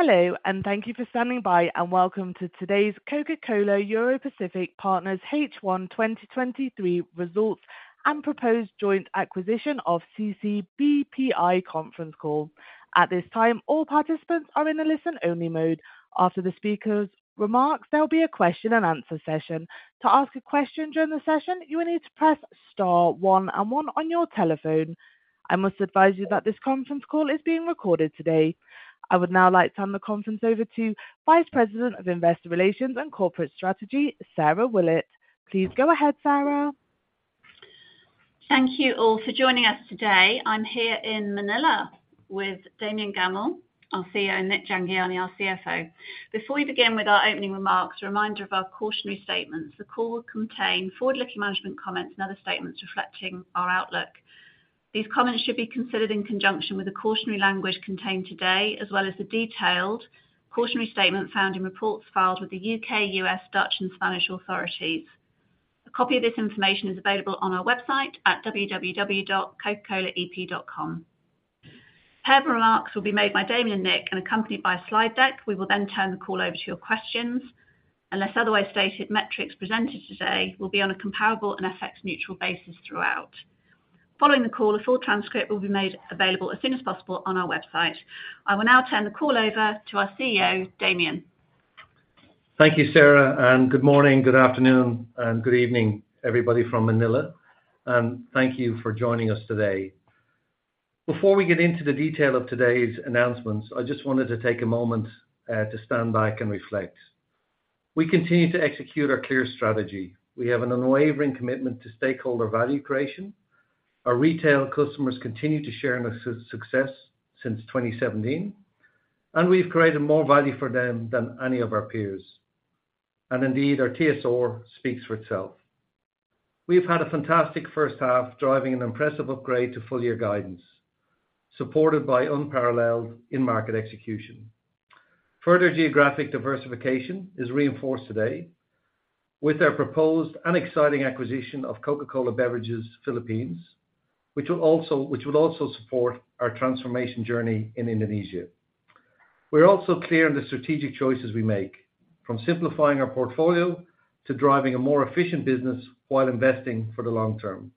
Hello, and thank you for standing by, and welcome to today's Coca-Cola Europacific Partners H1 2023 Results and Proposed Joint Acquisition of CCBPI conference call. At this time, all participants are in a listen-only mode. After the speaker's remarks, there'll be a question-and-answer session. To ask a question during the session, you will need to press star one and one on your telephone. I must advise you that this conference call is being recorded today. I would now like to turn the conference over to Vice President of Investor Relations and Corporate Strategy, Sarah Willett. Please go ahead, Sarah. Thank you all for joining us today. I'm here in Manila with Damian Gammell, our CEO, and Nik Jhangiani, our CFO. Before we begin with our opening remarks, a reminder of our cautionary statements. The call will contain forward-looking management comments and other statements reflecting our outlook. These comments should be considered in conjunction with the cautionary language contained today, as well as the detailed cautionary statement found in reports filed with the UK, US, Dutch, and Spanish authorities. A copy of this information is available on our website at www.cocacolaep.com. Prepared remarks will be made by Damian and Nik and accompanied by a slide deck. We will then turn the call over to your questions. Unless otherwise stated, metrics presented today will be on a comparable and effect neutral basis throughout. Following the call, a full transcript will be made available as soon as possible on our website. I will now turn the call over to our CEO, Damian. Thank you, Sarah. Good morning, good afternoon, and good evening, everybody, from Manila. Thank you for joining us today. Before we get into the detail of today's announcements, I just wanted to take a moment to stand back and reflect. We continue to execute our clear strategy. We have an unwavering commitment to stakeholder value creation. Our retail customers continue to share in our success since 2017, and we've created more value for them than any of our peers. Indeed, our TSR speaks for itself. We've had a fantastic first half, driving an impressive upgrade to full year guidance, supported by unparalleled in-market execution. Further geographic diversification is reinforced today with our proposed and exciting acquisition of Coca-Cola Beverages Philippines, which will also support our transformation journey in Indonesia. We're also clear on the strategic choices we make, from simplifying our portfolio to driving a more efficient business while investing for the long term,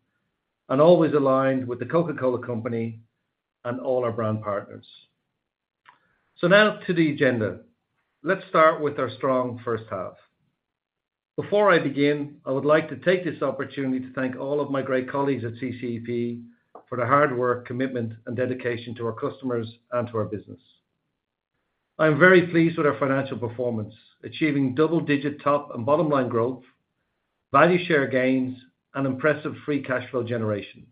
and always aligned with The Coca-Cola Company and all our brand partners. Now to the agenda. Let's start with our strong first half. Before I begin, I would like to take this opportunity to thank all of my great colleagues at CCEP for the hard work, commitment, and dedication to our customers and to our business. I'm very pleased with our financial performance, achieving double-digit top and bottom-line growth, value share gains, and impressive free cash flow generation.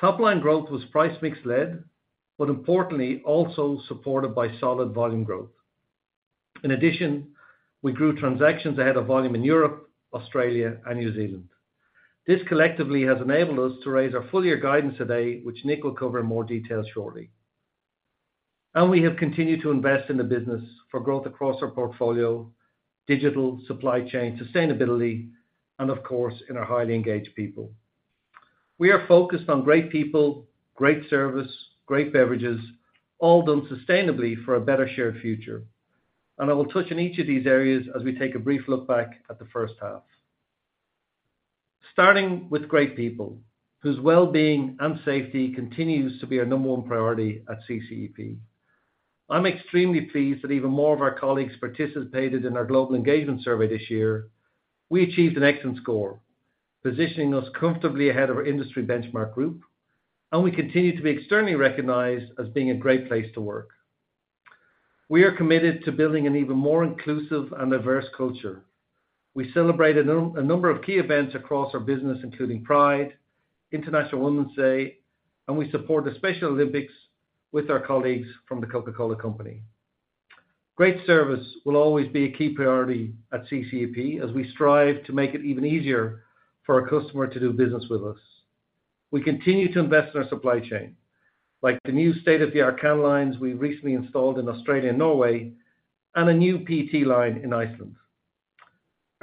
Top-line growth was price-mix led, but importantly, also supported by solid volume growth. In addition, we grew transactions ahead of volume in Europe, Australia, and New Zealand. This collectively has enabled us to raise our full-year guidance today, which Nik will cover in more detail shortly. We have continued to invest in the business for growth across our portfolio, digital supply chain, sustainability, and of course, in our highly engaged people. We are focused on great people, great service, great beverages, all done sustainably for a better shared future. I will touch on each of these areas as we take a brief look back at the first half. Starting with great people, whose well-being and safety continues to be our number one priority at CCEP. I'm extremely pleased that even more of our colleagues participated in our global engagement survey this year. We achieved an excellent score, positioning us comfortably ahead of our industry benchmark group, and we continue to be externally recognized as being a great place to work. We are committed to building an even more inclusive and diverse culture. We celebrated a number of key events across our business, including Pride, International Women's Day. We support the Special Olympics with our colleagues from The Coca-Cola Company. Great service will always be a key priority at CCEP as we strive to make it even easier for our customer to do business with us. We continue to invest in our supply chain, like the new state-of-the-art can lines we recently installed in Australia and Norway. A new PET line in Iceland.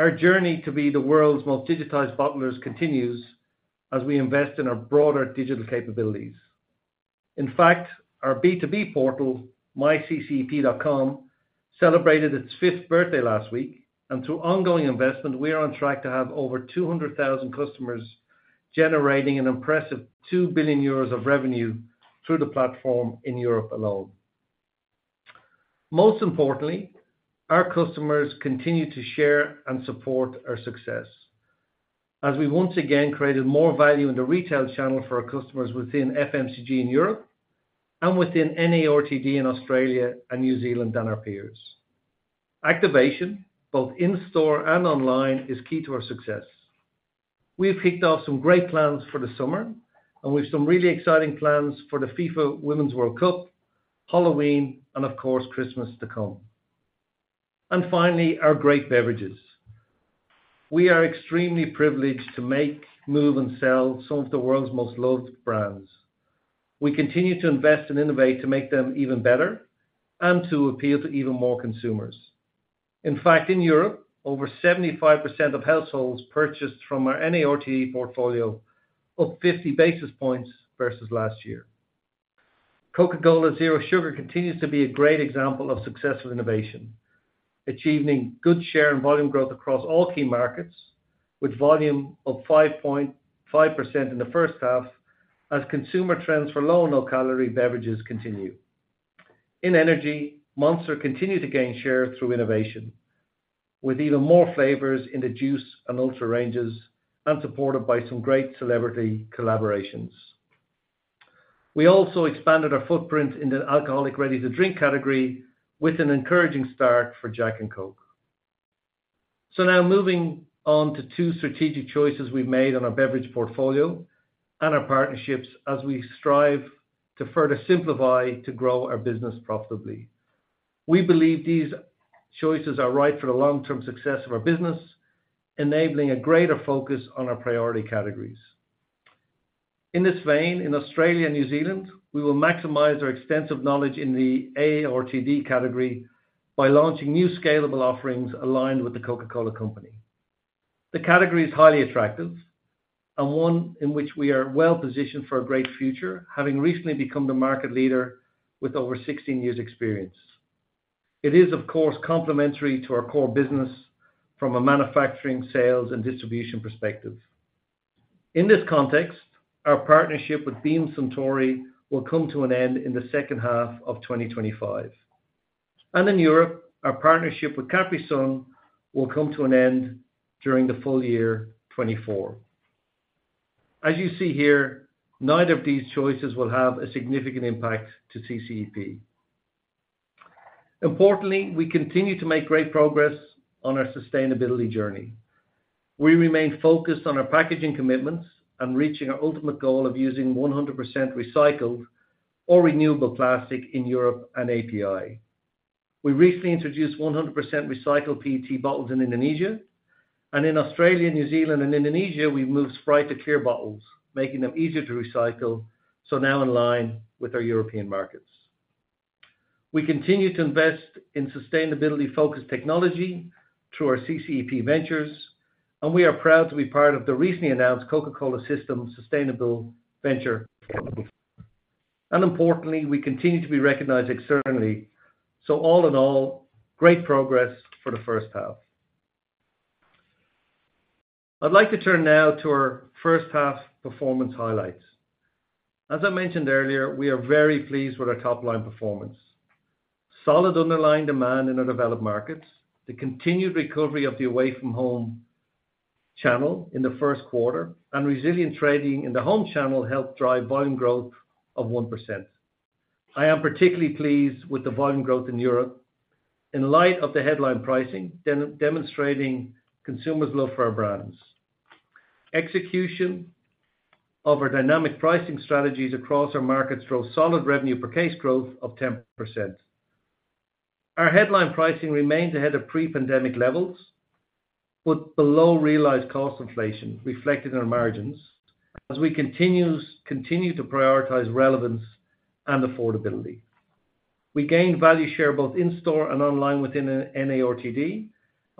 Our journey to be the world's most digitized bottlers continues as we invest in our broader digital capabilities. In fact, our B2B portal, MyCCEP.com, celebrated its fifth birthday last week. Through ongoing investment, we are on track to have over 200,000 customers, generating an impressive 2 billion euros of revenue through the platform in Europe alone. Most importantly, our customers continue to share and support our success as we once again created more value in the retail channel for our customers within FMCG in Europe and within NARTD in Australia and New Zealand than our peers. Activation, both in-store and online, is key to our success. We have kicked off some great plans for the summer. We have some really exciting plans for the FIFA Women's World Cup, Halloween, and of course, Christmas to come. Finally, our great beverages. We are extremely privileged to make, move, and sell some of the world's most loved brands. We continue to invest and innovate to make them even better and to appeal to even more consumers. In fact, in Europe, over 75% of households purchased from our NART portfolio, up 50 basis points versus last year. Coca-Cola Zero Sugar continues to be a great example of successful innovation, achieving good share and volume growth across all key markets, with volume up 5.5% in the first half, as consumer trends for low and low-calorie beverages continue. In energy, Monster continued to gain share through innovation, with even more flavors in the juice and ultra ranges, and supported by some great celebrity collaborations. We also expanded our footprint in the alcoholic ready-to-drink category with an encouraging start for Jack and Coke. Now moving on to two strategic choices we've made on our beverage portfolio and our partnerships as we strive to further simplify to grow our business profitably. We believe these choices are right for the long-term success of our business, enabling a greater focus on our priority categories. In this vein, in Australia and New Zealand, we will maximize our extensive knowledge in the ARTD category by launching new scalable offerings aligned with The Coca-Cola Company. The category is highly attractive and one in which we are well positioned for a great future, having recently become the market leader with over 16 years experience. It is, of course, complementary to our core business from a manufacturing, sales, and distribution perspective. In this context, our partnership with Beam Suntory will come to an end in the second half of 2025. In Europe, our partnership with Capri-Sun will come to an end during the full year 2024. As you see here, neither of these choices will have a significant impact to CCEP. Importantly, we continue to make great progress on our sustainability journey. We remain focused on our packaging commitments and reaching our ultimate goal of using 100% recycled or renewable plastic in Europe and API. We recently introduced 100% recycled PET bottles in Indonesia, and in Australia, New Zealand, and Indonesia, we moved Sprite to clear bottles, making them easier to recycle, so now in line with our European markets. We continue to invest in sustainability-focused technology through our CCEP Ventures, and we are proud to be part of the recently announced Coca-Cola System Sustainable Venture. Importantly, we continue to be recognized externally. All in all, great progress for the first half. I'd like to turn now to our first half performance highlights. As I mentioned earlier, we are very pleased with our top-line performance. Solid underlying demand in our developed markets, the continued recovery of the away-from-home channel in the first quarter, and resilient trading in the home channel helped drive volume growth of 1%. I am particularly pleased with the volume growth in Europe in light of the headline pricing, demonstrating consumers' love for our brands. Execution of our dynamic pricing strategies across our markets drove solid revenue per case growth of 10%. Our headline pricing remains ahead of pre-pandemic levels, but below realized cost inflation reflected in our margins as we continue to prioritize relevance and affordability. We gained value share both in store and online within NARTD.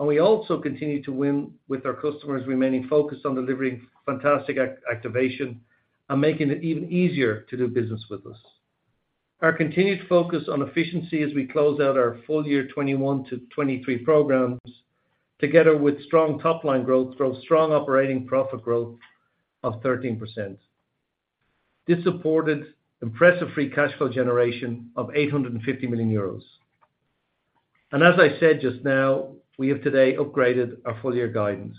We also continued to win with our customers, remaining focused on delivering fantastic activation and making it even easier to do business with us. Our continued focus on efficiency as we close out our full year 2021-2023 programs, together with strong top-line growth, drove strong operating profit growth of 13%. This supported impressive free cash flow generation of 850 million euros. As I said just now, we have today upgraded our full year guidance.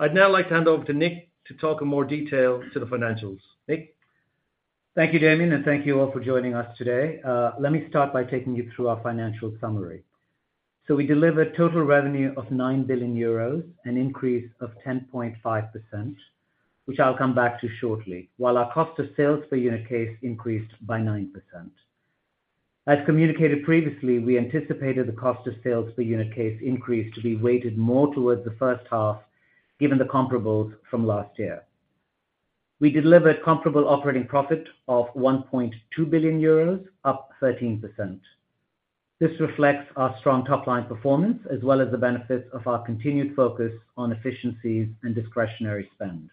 I'd now like to hand over to Nik to talk in more detail to the financials. Nik? Thank you, Damian, and thank you all for joining us today. Let me start by taking you through our financial summary. We delivered total revenue of 9 billion euros, an increase of 10.5%, which I'll come back to shortly, while our cost of sales per unit case increased by 9%. As communicated previously, we anticipated the cost of sales per unit case increase to be weighted more towards the first half, given the comparables from last year. We delivered comparable operating profit of 1.2 billion euros, up 13%. This reflects our strong top-line performance, as well as the benefits of our continued focus on efficiencies and discretionary spend.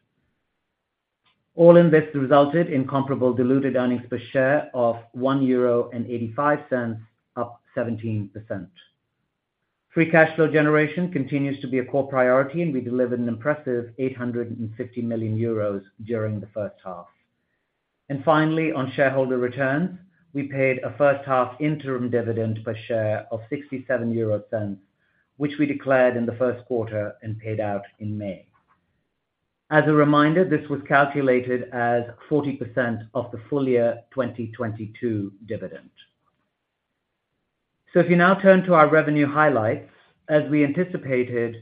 All in this resulted in comparable diluted earnings per share of 1.85 euro, up 17%. Free cash flow generation continues to be a core priority, we delivered an impressive 850 million euros during the first half. Finally, on shareholder returns, we paid a first-half interim dividend per share of 0.67, which we declared in the first quarter and paid out in May. As a reminder, this was calculated as 40% of the full year 2022 dividend. If you now turn to our revenue highlights, as we anticipated,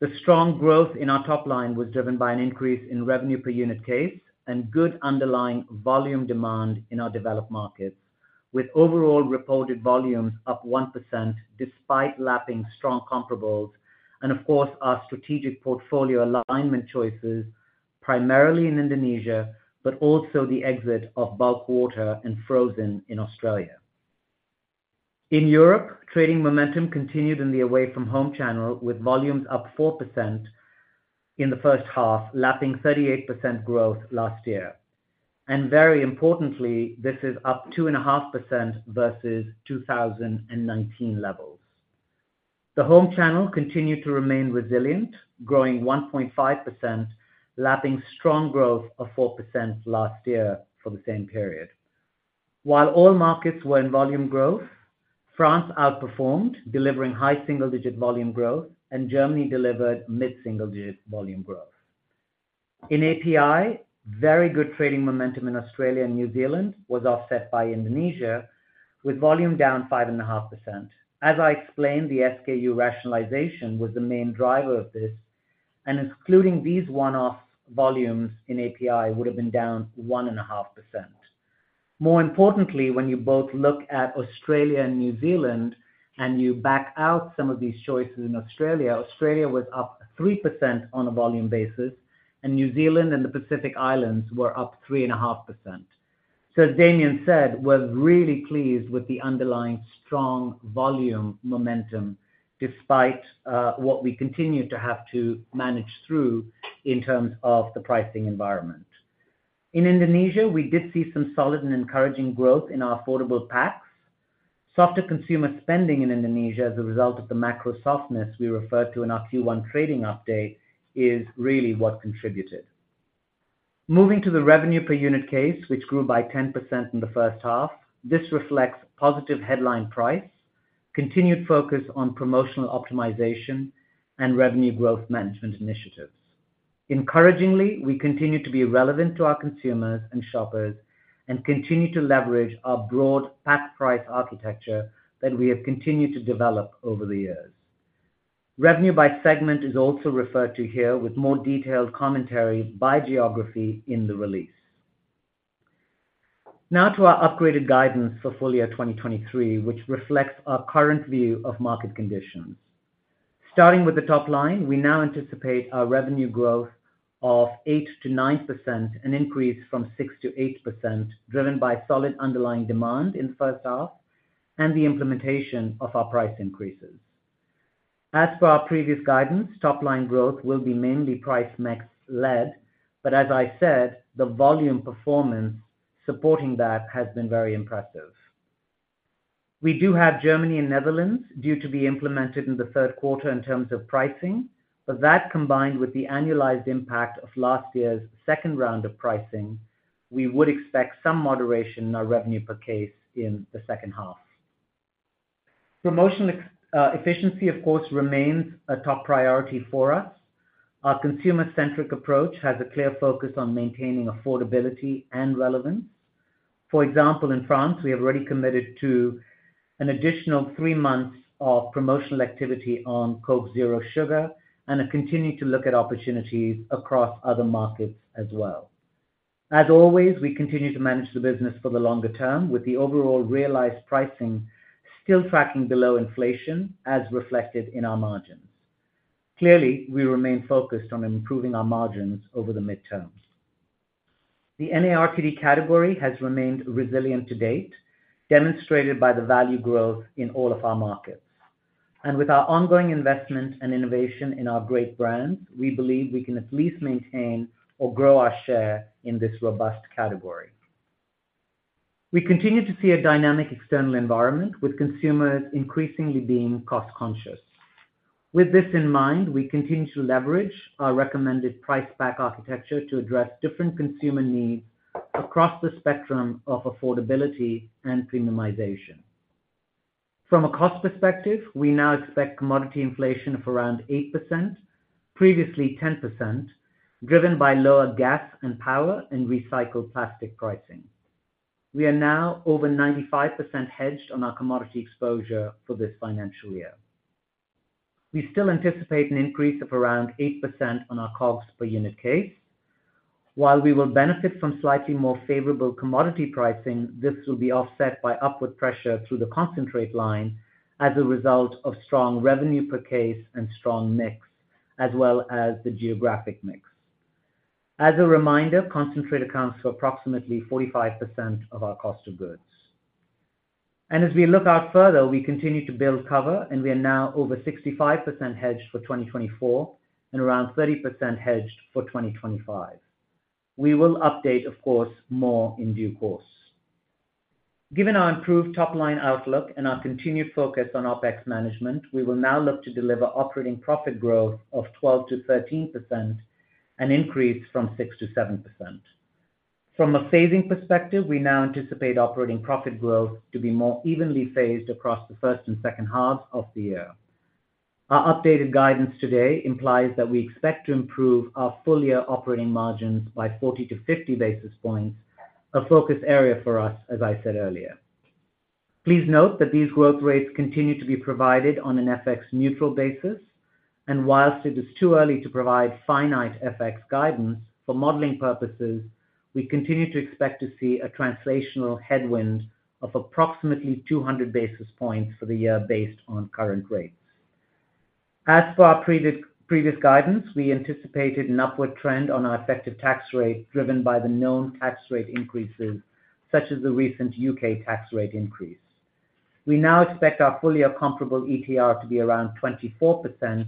the strong growth in our top line was driven by an increase in revenue per unit case and good underlying volume demand in our developed markets, with overall reported volumes up 1%, despite lapping strong comparables, and of course, our strategic portfolio alignment choices, primarily in Indonesia, but also the exit of bulk water and frozen in Australia. In Europe, trading momentum continued in the away-from-home channel, with volumes up 4% in the first half, lapping 38% growth last year. Very importantly, this is up 2.5% versus 2019 levels. The home channel continued to remain resilient, growing 1.5%, lapping strong growth of 4% last year for the same period. While all markets were in volume growth, France outperformed, delivering high single-digit volume growth, and Germany delivered mid-single digit volume growth. In API, very good trading momentum in Australia and New Zealand was offset by Indonesia, with volume down 5.5%. As I explained, the SKU rationalization was the main driver of this, and excluding these one-off volumes in API would have been down 1.5%. More importantly, when you both look at Australia and New Zealand, and you back out some of these choices in Australia, Australia was up 3% on a volume basis, and New Zealand and the Pacific Islands were up 3.5%. As Damian said, was really pleased with the underlying strong volume momentum, despite what we continue to have to manage through in terms of the pricing environment. In Indonesia, we did see some solid and encouraging growth in our affordable packs. Softer consumer spending in Indonesia as a result of the macro softness we referred to in our Q1 trading update, is really what contributed. Moving to the revenue per unit case, which grew by 10% in the first half, this reflects positive headline price, continued focus on promotional optimization, and revenue growth management initiatives. Encouragingly, we continue to be relevant to our consumers and shoppers, and continue to leverage our broad pack price architecture that we have continued to develop over the years. Revenue by segment is also referred to here, with more detailed commentary by geography in the release. Now to our upgraded guidance for full year 2023, which reflects our current view of market conditions. Starting with the top line, we now anticipate a revenue growth of 8%-9%, an increase from 6%-8%, driven by solid underlying demand in the first half and the implementation of our price increases. As per our previous guidance, top-line growth will be mainly price mix led, but as I said, the volume performance supporting that has been very impressive. We do have Germany and Netherlands due to be implemented in the third quarter in terms of pricing, but that, combined with the annualized impact of last year's second round of pricing, we would expect some moderation in our revenue per case in the second half. Promotional efficiency, of course, remains a top priority for us. Our consumer-centric approach has a clear focus on maintaining affordability and relevance. For example, in France, we have already committed to an additional three months of promotional activity on Coke Zero Sugar and are continuing to look at opportunities across other markets as well. As always, we continue to manage the business for the longer term, with the overall realized pricing still tracking below inflation as reflected in our margins. Clearly, we remain focused on improving our margins over the midterm. The NARTD category has remained resilient to date, demonstrated by the value growth in all of our markets. With our ongoing investment and innovation in our great brands, we believe we can at least maintain or grow our share in this robust category. We continue to see a dynamic external environment, with consumers increasingly being cost-conscious. With this in mind, we continue to leverage our recommended price pack architecture to address different consumer needs across the spectrum of affordability and premiumization. From a cost perspective, we now expect commodity inflation of around 8%, previously 10%, driven by lower gas and power and recycled plastic pricing. We are now over 95% hedged on our commodity exposure for this financial year. We still anticipate an increase of around 8% on our COGS per unit case. While we will benefit from slightly more favorable commodity pricing, this will be offset by upward pressure through the concentrate line as a result of strong revenue per case and strong mix, as well as the geographic mix. As a reminder, concentrate accounts for approximately 45% of our cost of goods. As we look out further, we continue to build cover, and we are now over 65% hedged for 2024 and around 30% hedged for 2025. We will update, of course, more in due course. Given our improved top-line outlook and our continued focus on OpEx management, we will now look to deliver operating profit growth of 12%-13%, an increase from 6%-7%. From a phasing perspective, we now anticipate operating profit growth to be more evenly phased across the first and second halves of the year. Our updated guidance today implies that we expect to improve our full-year operating margins by 40 to 50 basis points, a focus area for us, as I said earlier. Please note that these growth rates continue to be provided on an FX neutral basis, whilst it is too early to provide finite FX guidance for modeling purposes, we continue to expect to see a translational headwind of approximately 200 basis points for the year based on current rates. As for our previous guidance, we anticipated an upward trend on our effective tax rate, driven by the known tax rate increases, such as the recent UK tax rate increase. We now expect our fully comparable ETR to be around 24%,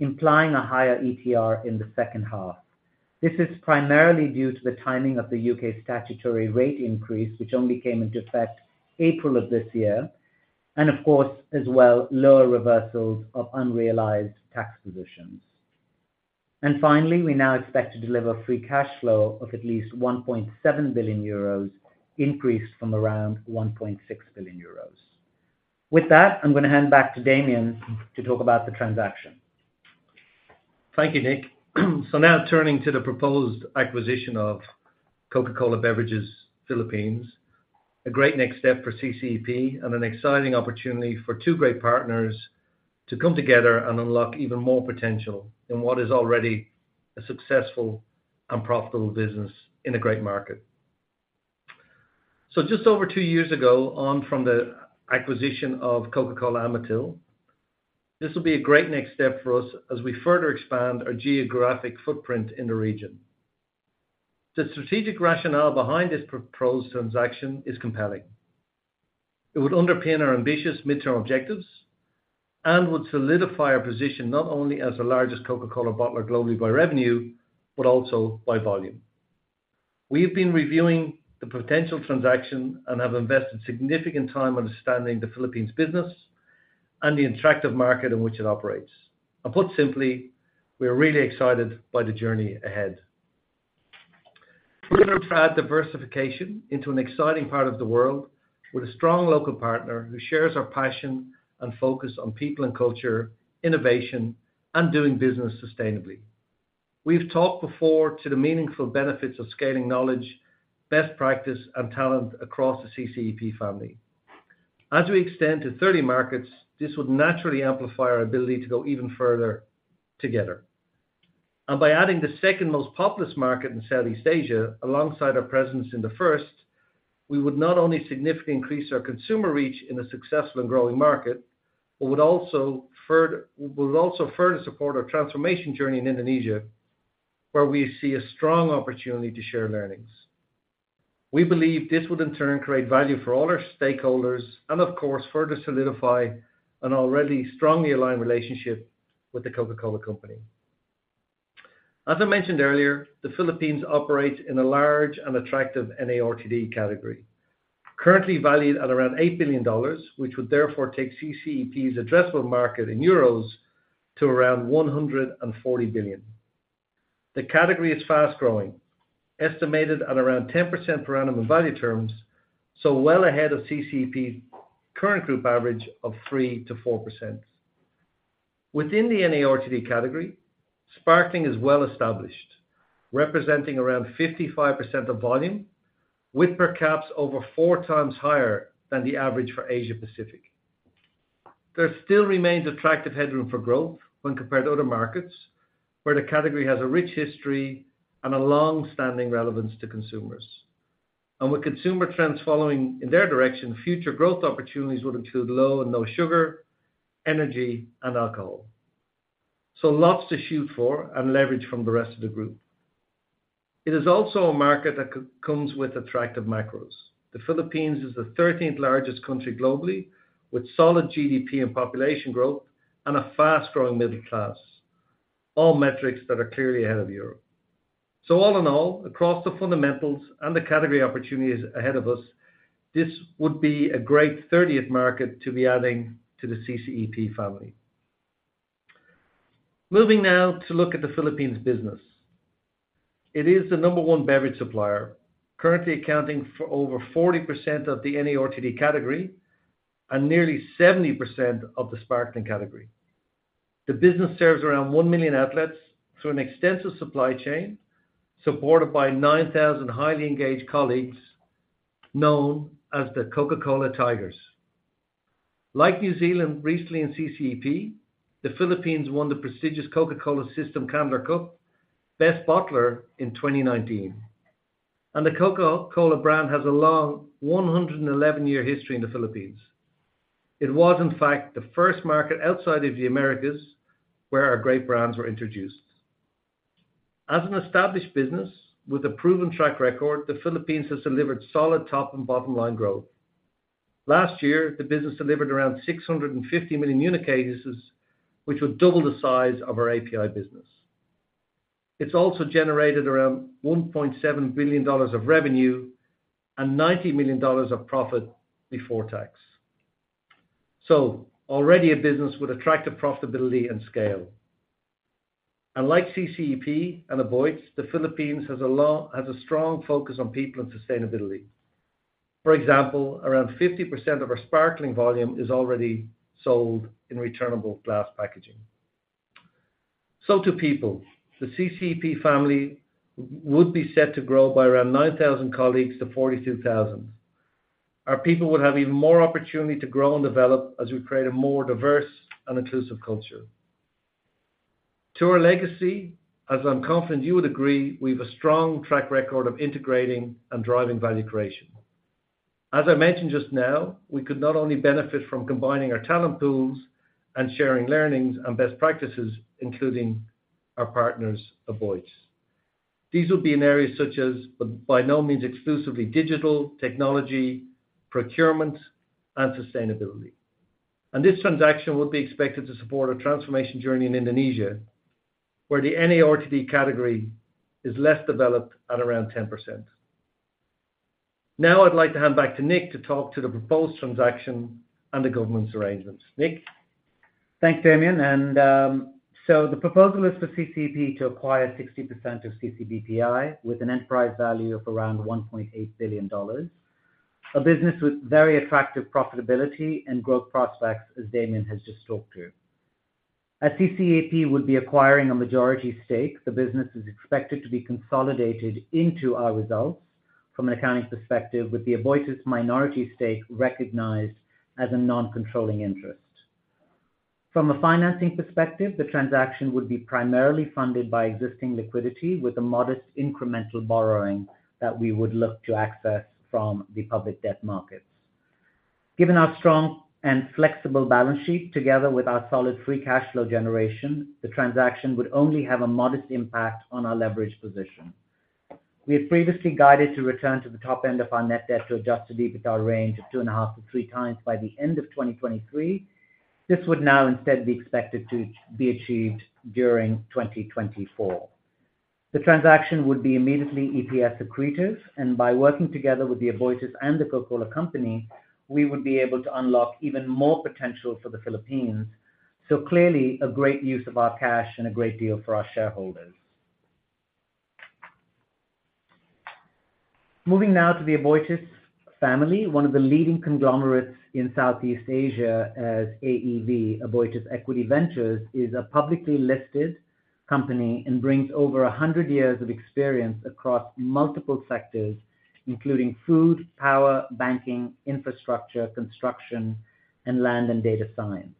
implying a higher ETR in the second half. This is primarily due to the timing of the UK statutory rate increase, which only came into effect April of this year, and of course, as well, lower reversals of unrealized tax positions. Finally, we now expect to deliver free cash flow of at least 1.7 billion euros, increased from around 1.6 billion euros. With that, I'm going to hand back to Damian to talk about the transaction. Thank you, Nik. Now turning to the proposed acquisition of Coca-Cola Beverages Philippines, a great next step for CCEP, and an exciting opportunity for two great partners to come together and unlock even more potential in what is already a successful and profitable business in a great market. Just over two years ago, on from the acquisition of Coca-Cola Amatil, this will be a great next step for us as we further expand our geographic footprint in the region. The strategic rationale behind this proposed transaction is compelling. It would underpin our ambitious midterm objectives and would solidify our position, not only as the largest Coca-Cola bottler globally by revenue, but also by volume. We have been reviewing the potential transaction and have invested significant time understanding the Philippines business and the interactive market in which it operates. Put simply, we are really excited by the journey ahead. Further diversification into an exciting part of the world with a strong local partner who shares our passion and focus on people and culture, innovation, and doing business sustainably. We've talked before to the meaningful benefits of scaling knowledge, best practice, and talent across the CCEP family. As we extend to 30 markets, this would naturally amplify our ability to go even further together. By adding the second most populous market in Southeast Asia, alongside our presence in the first, we would not only significantly increase our consumer reach in a successful and growing market, but would also further support our transformation journey in Indonesia, where we see a strong opportunity to share learnings. We believe this would, in turn, create value for all our stakeholders and of course, further solidify an already strongly aligned relationship with The Coca-Cola Company. As I mentioned earlier, the Philippines operates in a large and attractive NARTD category, currently valued at around EUR 8 billion, which would therefore take CCEP's addressable market in euros to around 140 billion. The category is fast-growing, estimated at around 10% per annum in value terms. Well ahead of CCEP's current group average of 3%-4%. Within the NARTD category, sparkling is well established, representing around 55% of volume, with per caps over four times higher than the average for Asia Pacific. There still remains attractive headroom for growth when compared to other markets, where the category has a rich history and a long-standing relevance to consumers. With consumer trends following in their direction, future growth opportunities would include low and no sugar, energy, and alcohol. Lots to shoot for and leverage from the rest of the group. It is also a market that comes with attractive macros. The Philippines is the thirteenth largest country globally, with solid GDP and population growth and a fast-growing middle class, all metrics that are clearly ahead of Europe. All in all, across the fundamentals and the category opportunities ahead of us, this would be a great thirtieth market to be adding to the CCEP family. Moving now to look at the Philippines business. It is the number one beverage supplier, currently accounting for over 40% of the NARTD category and nearly 70% of the sparkling category. The business serves around 1 million outlets through an extensive supply chain, supported by 9,000 highly engaged colleagues known as the Coca-Cola Tigers. Like New Zealand, recently in CCEP, the Philippines won the prestigious Coca-Cola System Candler Cup, Best Bottler in 2019. The Coca-Cola brand has a long 111 year history in the Philippines. It was, in fact, the first market outside of the Americas, where our great brands were introduced. As an established business with a proven track record, the Philippines has delivered solid top and bottom line growth. Last year, the business delivered around 650 million unit cases, which was double the size of our API business. It's also generated around $1.7 billion of revenue and $90 million of profit before tax. Already a business with attractive profitability and scale. Like CCEP and Aboitiz, the Philippines has a strong focus on people and sustainability. For example, around 50% of our sparkling volume is already sold in returnable glass packaging. To people, the CCEP family would be set to grow by around 9,000 colleagues to 42,000. Our people would have even more opportunity to grow and develop as we create a more diverse and inclusive culture. To our legacy, as I'm confident you would agree, we have a strong track record of integrating and driving value creation. As I mentioned just now, we could not only benefit from combining our talent pools and sharing learnings and best practices, including our partners, Aboitiz. These will be in areas such as, but by no means exclusively, digital, technology, procurement, and sustainability. This transaction would be expected to support a transformation journey in Indonesia, where the NARTD category is less developed at around 10%. I'd like to hand back to Nik to talk to the proposed transaction and the government's arrangements. Nik? Thanks, Damian. The proposal is for CCEP to acquire 60% of CCBPI, with an enterprise value of around $1.8 billion. A business with very attractive profitability and growth prospects, as Damian has just talked through. As CCEP would be acquiring a majority stake, the business is expected to be consolidated into our results from an accounting perspective, with the Aboitiz minority stake recognized as a non-controlling interest. From a financing perspective, the transaction would be primarily funded by existing liquidity, with a modest incremental borrowing that we would look to access from the public debt markets. Given our strong and flexible balance sheet, together with our solid free cash flow generation, the transaction would only have a modest impact on our leverage position. We have previously guided to return to the top end of our net debt to adjusted EBITDA range of 2.5-3x by the end of 2023. This would now instead be expected to be achieved during 2024. The transaction would be immediately EPS accretive, and by working together with the Aboitiz and The Coca-Cola Company, we would be able to unlock even more potential for the Philippines. Clearly, a great use of our cash and a great deal for our shareholders. Moving now to the Aboitiz family, one of the leading conglomerates in Southeast Asia as AEV. Aboitiz Equity Ventures is a publicly listed company and brings over 100 years of experience across multiple sectors, including food, power, banking, infrastructure, construction, and land and data science.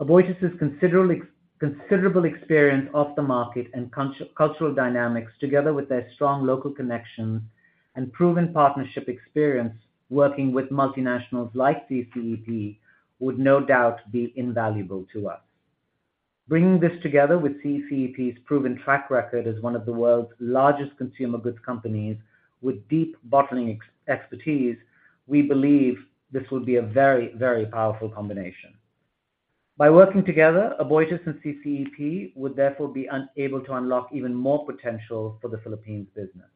Aboitiz's considerably, considerable experience of the market and cultural dynamics, together with their strong local connections and proven partnership experience working with multinationals like CCEP, would no doubt be invaluable to us. Bringing this together with CCEP's proven track record as one of the world's largest consumer goods companies with deep bottling expertise, we believe this will be a very, very powerful combination. By working together, Aboitiz and CCEP would therefore be unable to unlock even more potential for the Philippines business.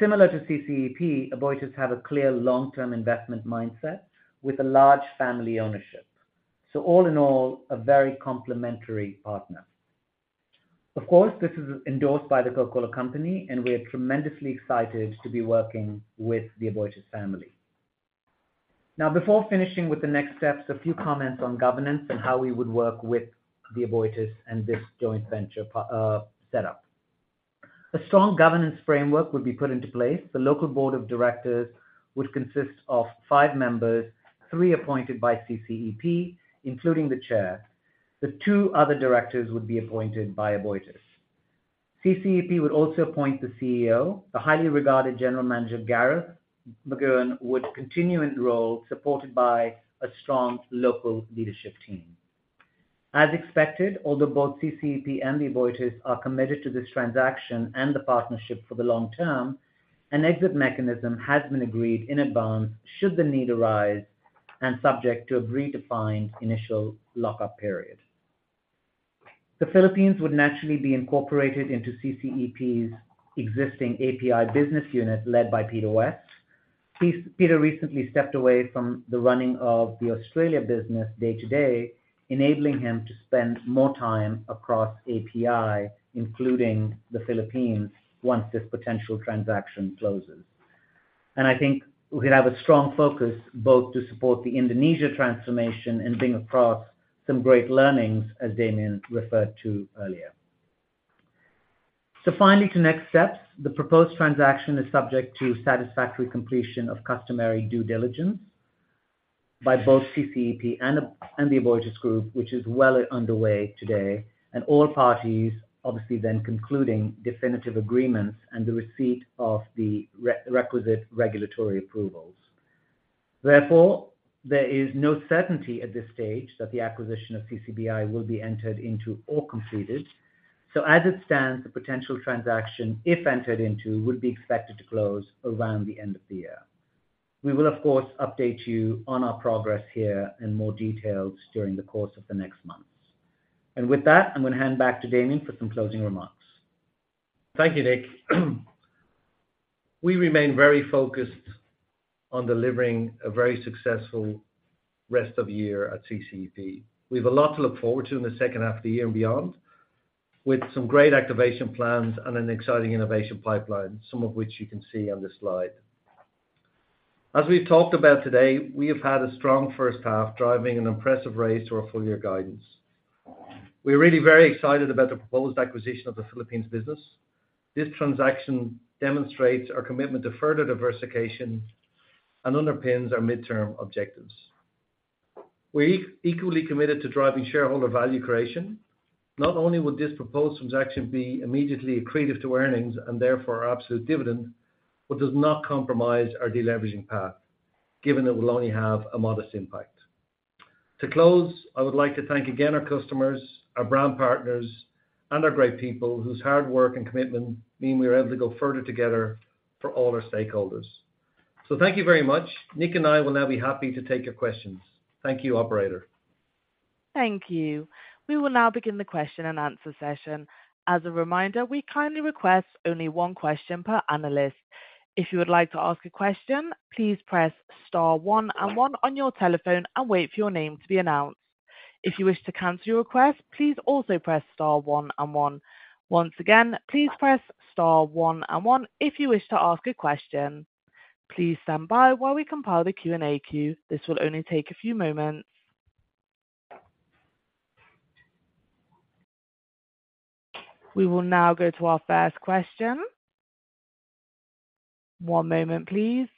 Similar to CCEP, Aboitiz have a clear long-term investment mindset with a large family ownership. All in all, a very complementary partner. Of course, this is endorsed by The Coca-Cola Company, and we are tremendously excited to be working with the Aboitiz family. Before finishing with the next steps, a few comments on governance and how we would work with the Aboitiz and this joint venture setup. A strong governance framework would be put into place. The local board of directors would consist of five members, three appointed by CCEP, including the chair. The two other directors would be appointed by Aboitiz. CCEP would also appoint the CEO. The highly regarded General Manager, Gareth McGeown, would continue in the role, supported by a strong local leadership team. As expected, although both CCEP and the Aboitiz are committed to this transaction and the partnership for the long term, an exit mechanism has been agreed in advance, should the need arise, and subject to a predefined initial lock-up period. The Philippines would naturally be incorporated into CCEP's existing API business unit, led by Peter West. Peter recently stepped away from the running of the Australia business day-to-day, enabling him to spend more time across API, including the Philippines, once this potential transaction closes. I think we could have a strong focus both to support the Indonesia transformation and bring across some great learnings, as Damian referred to earlier. Finally, to next steps. The proposed transaction is subject to satisfactory completion of customary due diligence by both CCEP and the Aboitiz group, which is well underway today, all parties, obviously then concluding definitive agreements and the receipt of the requisite regulatory approvals. Therefore, there is no certainty at this stage that the acquisition of CCPI will be entered into or completed. As it stands, the potential transaction, if entered into, would be expected to close around the end of the year. We will, of course, update you on our progress here in more details during the course of the next months. With that, I'm going to hand back to Damian for some closing remarks. Thank you, Nik. We remain very focused on delivering a very successful rest of year at CCEP. We've a lot to look forward to in the second half of the year and beyond, with some great activation plans and an exciting innovation pipeline, some of which you can see on this slide. As we've talked about today, we have had a strong first half, driving an impressive raise to our full-year guidance. We're really very excited about the proposed acquisition of the Philippines business. This transaction demonstrates our commitment to further diversification and underpins our midterm objectives. We're equally committed to driving shareholder value creation. Not only would this proposed transaction be immediately accretive to earnings, and therefore our absolute dividend, but does not compromise our deleveraging path, given it will only have a modest impact. To close, I would like to thank again our customers, our brand partners, and our great people, whose hard work and commitment mean we are able to go further together for all our stakeholders. Thank you very much. Nik and I will now be happy to take your questions. Thank you, Operator. Thank you. We will now begin the question and answer session. As a reminder, we kindly request only one question per analyst. If you would like to ask a question, please press star 1 and 1 on your telephone and wait for your name to be announced. If you wish to cancel your request, please also press star one and one. Once again, please press star one and one if you wish to ask a question. Please stand by while we compile the Q&A queue. This will only take a few moments. We will now go to our first question. One moment, please.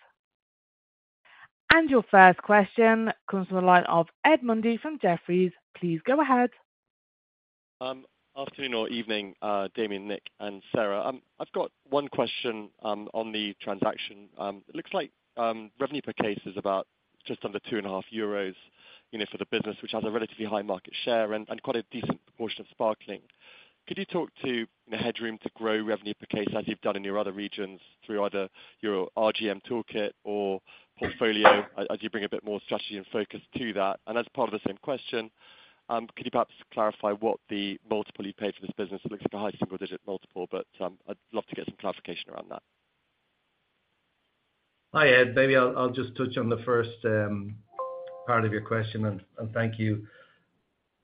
Your first question comes from the line of Ed Mundy from Jefferies. Please go ahead. Afternoon or evening, Damian, Nik, and Sarah. I've got one question on the transaction. It looks like revenue per case is about just under 2.5 euros, you know, for the business, which has a relatively high market share and quite a decent proportion of sparkling. Could you talk to the headroom to grow revenue per case, as you've done in your other regions, through either your RGM toolkit or portfolio, as you bring a bit more strategy and focus to that? As part of the same question, could you perhaps clarify what the multiple you paid for this business? It looks like a high single-digit multiple, but I'd love to get some clarification around that. Hi, Ed. Maybe I'll, I'll just touch on the first part of your question, and, and thank you.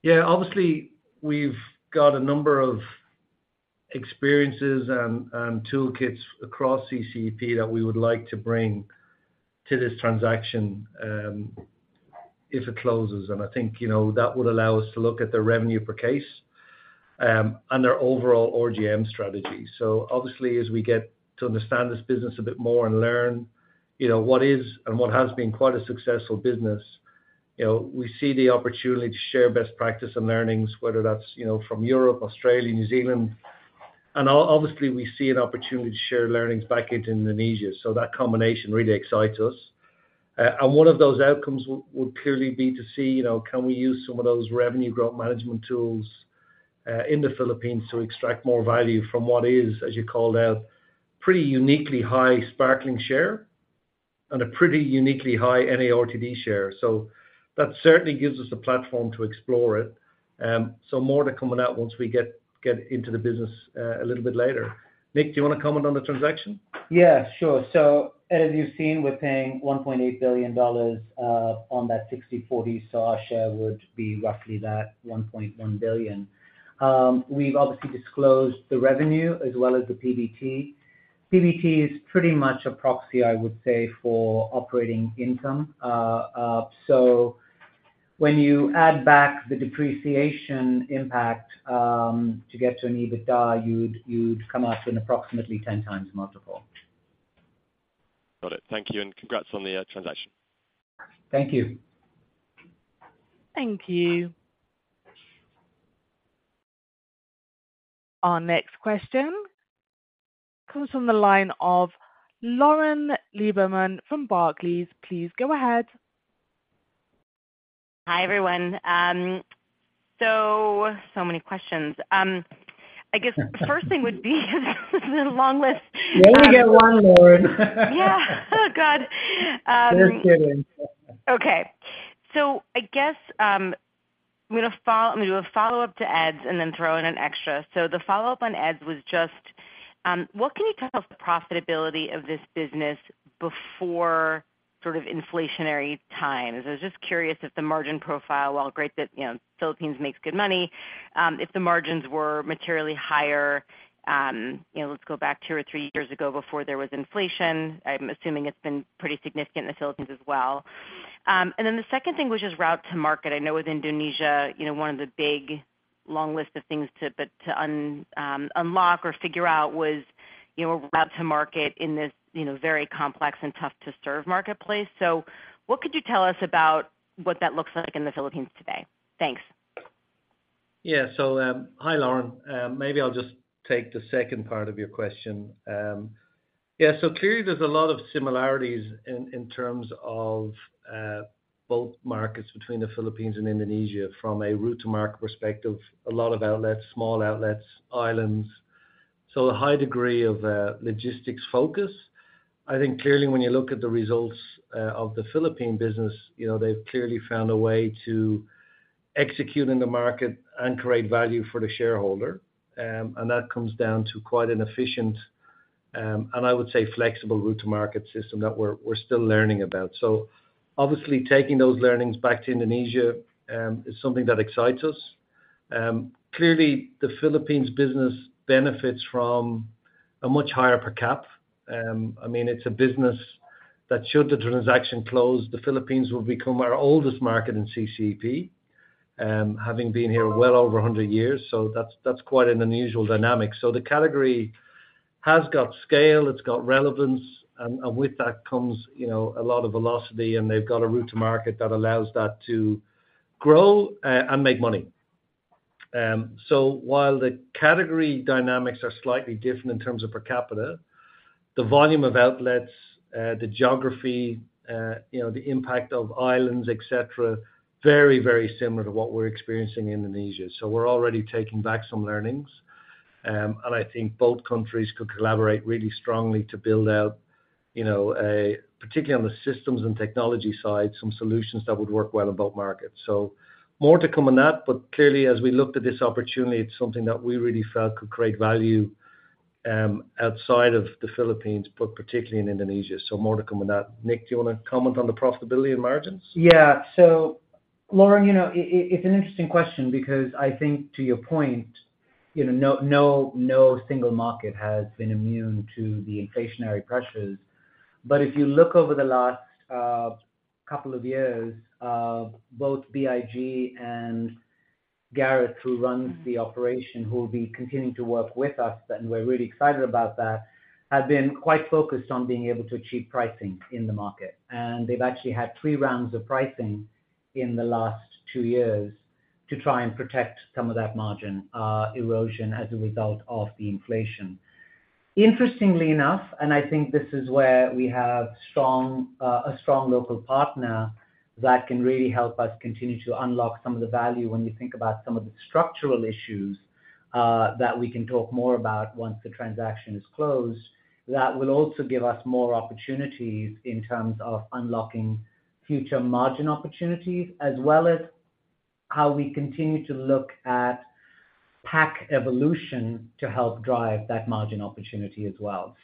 Yeah, obviously, we've got a number of experiences and, and toolkits across CCEP that we would like to bring to this transaction, if it closes, and I think, you know, that would allow us to look at the revenue per case, and their overall OGM strategy. Obviously, as we get to understand this business a bit more and learn, you know, what is and what has been quite a successful business, you know, we see the opportunity to share best practice and learnings, whether that's, you know, from Europe, Australia, New Zealand. Ob-obviously, we see an opportunity to share learnings back into Indonesia, so that combination really excites us. One of those outcomes would clearly be to see, you know, can we use some of those revenue growth management tools in the Philippines to extract more value from what is, as you called out, pretty uniquely high sparkling share and a pretty uniquely high NARTD share. That certainly gives us a platform to explore it. More to come on that once we get into the business a little bit later. Nik, do you want to comment on the transaction? Yeah, sure. As you've seen, we're paying $1.8 billion on that 60/40, so our share would be roughly that $1.1 billion. We've obviously disclosed the revenue as well as the PBT. PBT is pretty much a proxy, I would say, for operating income. When you add back the depreciation impact to get to an EBITDA, you'd come out to an approximately 10x multiple. Got it. Thank you, and congrats on the transaction. Thank you. Thank you. Our next question comes from the line of Lauren Lieberman from Barclays. Please go ahead. Hi, everyone. So many questions. I guess the first thing would be, this is a long list- You only get one, Lauren. Yeah. Oh, God. Just kidding. I guess, I'm gonna do a follow-up to Ed's and then throw in an extra. The follow-up on Ed's was just, what can you tell us the profitability of this business before sort of inflationary times? I was just curious if the margin profile, while great that, you know, Philippines makes good money, if the margins were materially higher, you know, let's go back two or three years ago before there was inflation. I'm assuming it's been pretty significant in the Philippines as well. Then the second thing, which is route to market. I know with Indonesia, you know, one of the big, long list of things to unlock or figure out was, you know, route to market in this, you know, very complex and tough to serve marketplace. What could you tell us about what that looks like in the Philippines today? Thanks. Yeah. Hi, Lauren. Maybe I'll just take the second part of your question. Yeah, clearly there's a lot of similarities in terms of both markets between the Philippines and Indonesia. From a route to market perspective, a lot of outlets, small outlets, islands, so a high degree of logistics focus. I think clearly when you look at the results of the Philippine business, you know, they've clearly found a way to execute in the market and create value for the shareholder. That comes down to quite an efficient and I would say flexible route to market system that we're still learning about. Obviously taking those learnings back to Indonesia is something that excites us. Clearly, the Philippines business benefits from a much higher per cap. I mean, it's a business that, should the transaction close, the Philippines will become our oldest market in CCEP, having been here well over 100 years, so that's, that's quite an unusual dynamic. The category has got scale, it's got relevance, and with that comes, you know, a lot of velocity, and they've got a route to market that allows that to grow, and make money. While the category dynamics are slightly different in terms of per capita, the volume of outlets, the geography, you know, the impact of islands, et cetera, very, very similar to what we're experiencing in Indonesia. We're already taking back some learnings. I think both countries could collaborate really strongly to build out, you know, a, particularly on the systems and technology side, some solutions that would work well in both markets. More to come on that, but clearly, as we looked at this opportunity, it's something that we really felt could create value, outside of the Philippines, but particularly in Indonesia. More to come on that. Nik, do you wanna comment on the profitability and margins? Lauren, you know, it's an interesting question because I think, to your point, you know, no, no, no single market has been immune to the inflationary pressures. If you look over the last couple of years, both BIG and Gareth, who runs the operation, who will be continuing to work with us, and we're really excited about that, have been quite focused on being able to achieve pricing in the market. They've actually had three rounds of pricing in the last two years to try and protect some of that margin erosion as a result of the inflation. Interestingly enough, I think this is where we have strong, a strong local partner that can really help us continue to unlock some of the value when you think about some of the structural issues that we can talk more about once the transaction is closed, that will also give us more opportunities in terms of unlocking future margin opportunities, as well as how we continue to look at pack evolution to help drive that margin opportunity as well.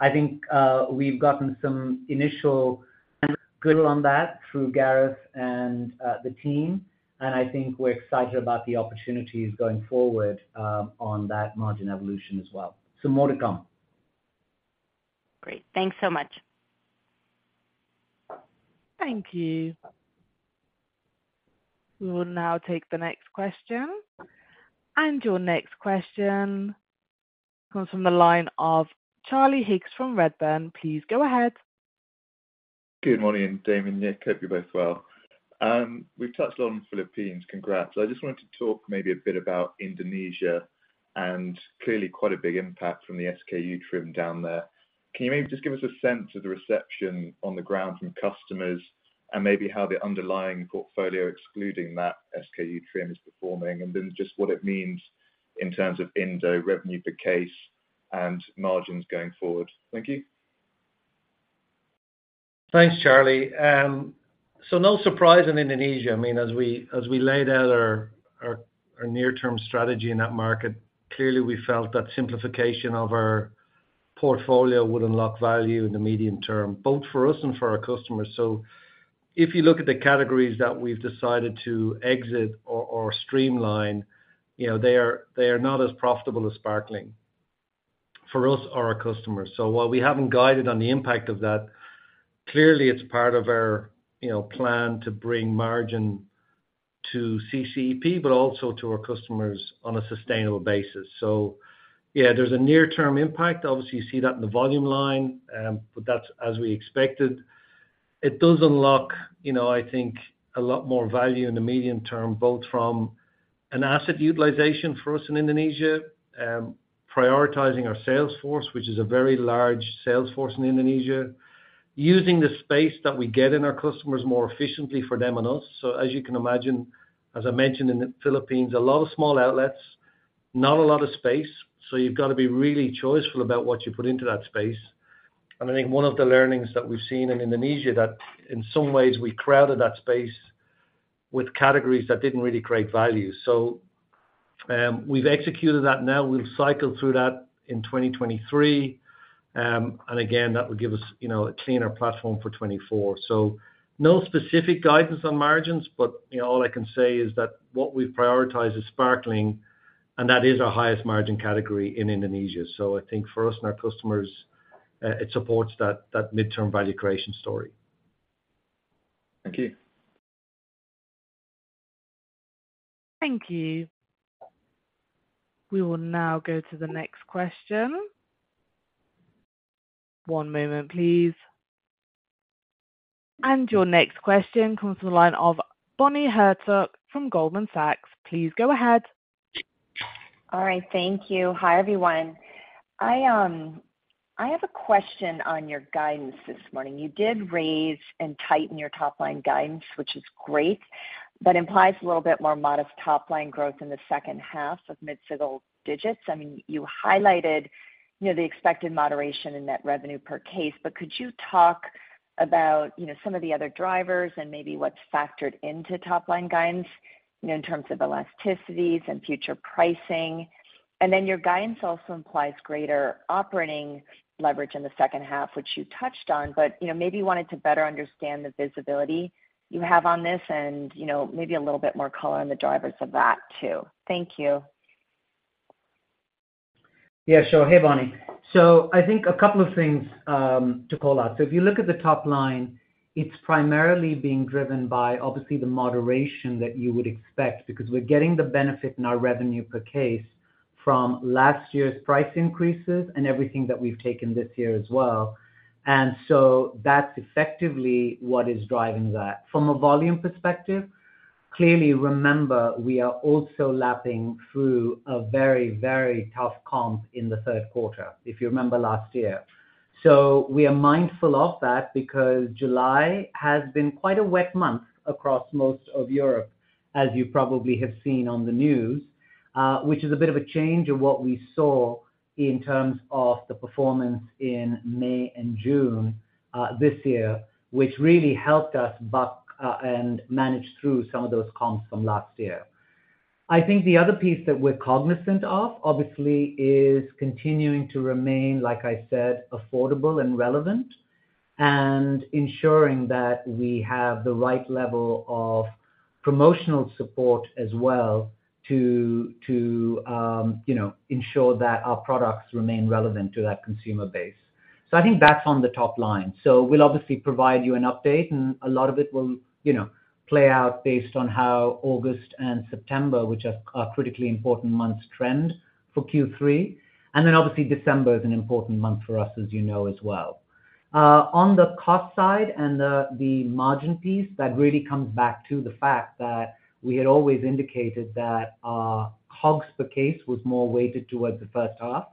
I think we've gotten some initial good on that through Gareth and the team, and I think we're excited about the opportunities going forward on that margin evolution as well. More to come. Great. Thanks so much. Thank you. We will now take the next question. Your next question comes from the line of Charlie Higgs from Redburn. Please go ahead. Good morning, Damian, Nik. Hope you're both well. We've touched on Philippines. Congrats. I just wanted to talk maybe a bit about Indonesia. Clearly quite a big impact from the SKU trim down there. Can you maybe just give us a sense of the reception on the ground from customers and maybe how the underlying portfolio, excluding that SKU trim, is performing? Then just what it means in terms of Indo revenue per case and margins going forward. Thank you. Thanks, Charlie. No surprise in Indonesia. I mean, as we, as we laid out our, our, our near-term strategy in that market, clearly we felt that simplification of our portfolio would unlock value in the medium term, both for us and for our customers. If you look at the categories that we've decided to exit or, or streamline, you know, they are, they are not as profitable as sparkling for us or our customers. While we haven't guided on the impact of that, clearly it's part of our, you know, plan to bring margin to CCEP, but also to our customers on a sustainable basis. Yeah, there's a near-term impact. Obviously, you see that in the volume line, but that's as we expected. It does unlock, you know, I think, a lot more value in the medium term, both from an asset utilization for us in Indonesia, prioritizing our sales force, which is a very large sales force in Indonesia, using the space that we get in our customers more efficiently for them and us. As you can imagine, as I mentioned in the Philippines, a lot of small outlets, not a lot of space, so you've got to be really choiceful about what you put into that space. I think one of the learnings that we've seen in Indonesia, that in some ways we crowded that space with categories that didn't really create value. We've executed that now. We'll cycle through that in 2023. Again, that will give us, you know, a cleaner platform for 2024. No specific guidance on margins, you know, all I can say is that what we've prioritized is sparkling, that is our highest margin category in Indonesia. I think for us and our customers, it supports that, that midterm value creation story. Thank you. Thank you. We will now go to the next question. One moment, please. Your next question comes from the line of Bonnie Herzog from Goldman Sachs. Please go ahead. All right, thank you. Hi, everyone. I have a question on your guidance this morning. You did raise and tighten your top-line guidance, which is great, but implies a little bit more modest top-line growth in the second half of mid-single digits. I mean, you highlighted, you know, the expected moderation in net revenue per case, but could you talk about, you know, some of the other drivers and maybe what's factored into top-line guidance, you know, in terms of elasticities and future pricing? Your guidance also implies greater operating leverage in the second half, which you touched on, but, you know, maybe wanted to better understand the visibility you have on this and, you know, maybe a little bit more color on the drivers of that, too. Thank you. Yeah, sure. Hey, Bonnie. I think a couple of things to call out. If you look at the top line, it's primarily being driven by, obviously, the moderation that you would expect, because we're getting the benefit in our revenue per case from last year's price increases and everything that we've taken this year as well. That's effectively what is driving that. From a volume perspective, clearly, remember, we are also lapping through a very, very tough comp in the third quarter, if you remember last year. We are mindful of that because July has been quite a wet month across most of Europe, as you probably have seen on the news, which is a bit of a change in what we saw in terms of the performance in May and June, this year, which really helped us buck, and manage through some of those comps from last year. I think the other piece that we're cognizant of, obviously, is continuing to remain, like I said, affordable and relevant, and ensuring that we have the right level of promotional support as well to, to, you know, ensure that our products remain relevant to that consumer base. I think that's on the top line. We'll obviously provide you an update, and a lot of it will, you know, play out based on how August and September, which are, are critically important months, trend for Q3. Then obviously December is an important month for us, as you know as well. On the cost side and the, the margin piece, that really comes back to the fact that we had always indicated that our COGS per case was more weighted towards the first half.